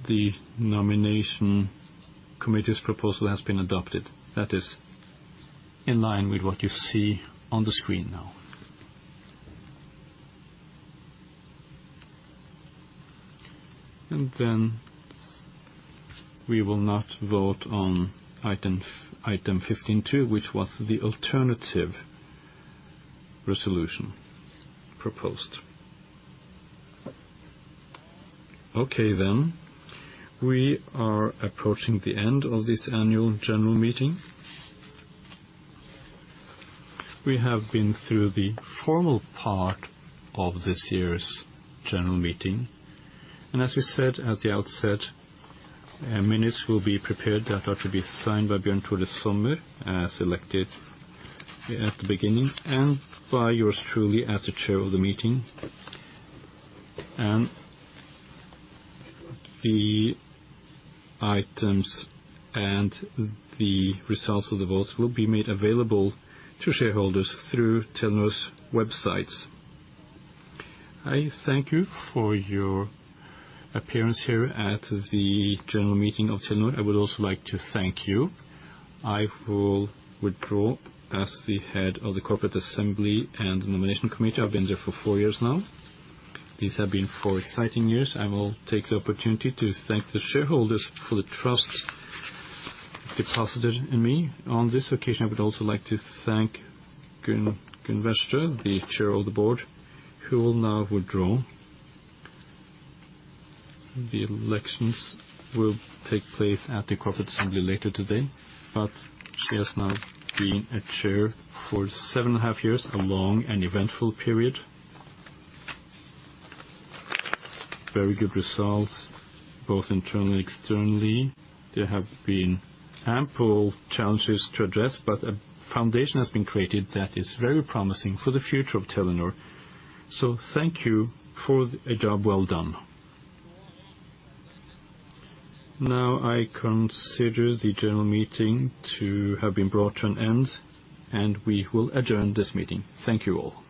the nomination committee's proposal has been adopted. That is in line with what you see on the screen now. We will not vote on item 15.2, which was the alternative resolution proposed. We are approaching the end of this annual general meeting. We have been through the formal part of this year's general meeting. As we said at the outset, minutes will be prepared that are to be signed by Bjørn Tore Sommer, as elected at the beginning, and by yours truly as the Chair of the meeting. The items and the results of the votes will be made available to shareholders through Telenor's websites. I thank you for your appearance here at the general meeting of Telenor. I would also like to thank you. I will withdraw as the head of the Corporate Assembly and the Nomination Committee. I've been there for four years now. These have been four exciting years. I will take the opportunity to thank the shareholders for the trust deposited in me. On this occasion, I would also like to thank Gunn Wærsted, the chair of the board, who will now withdraw. The elections will take place at the Corporate Assembly later today, but she has now been a chair for seven and a half years, a long and eventful period. Very good results, both internally and externally. There have been ample challenges to address, but a foundation has been created that is very promising for the future of Telenor. Thank you for a job well done. I consider the general meeting to have been brought to an end, and we will adjourn this meeting. Thank you all.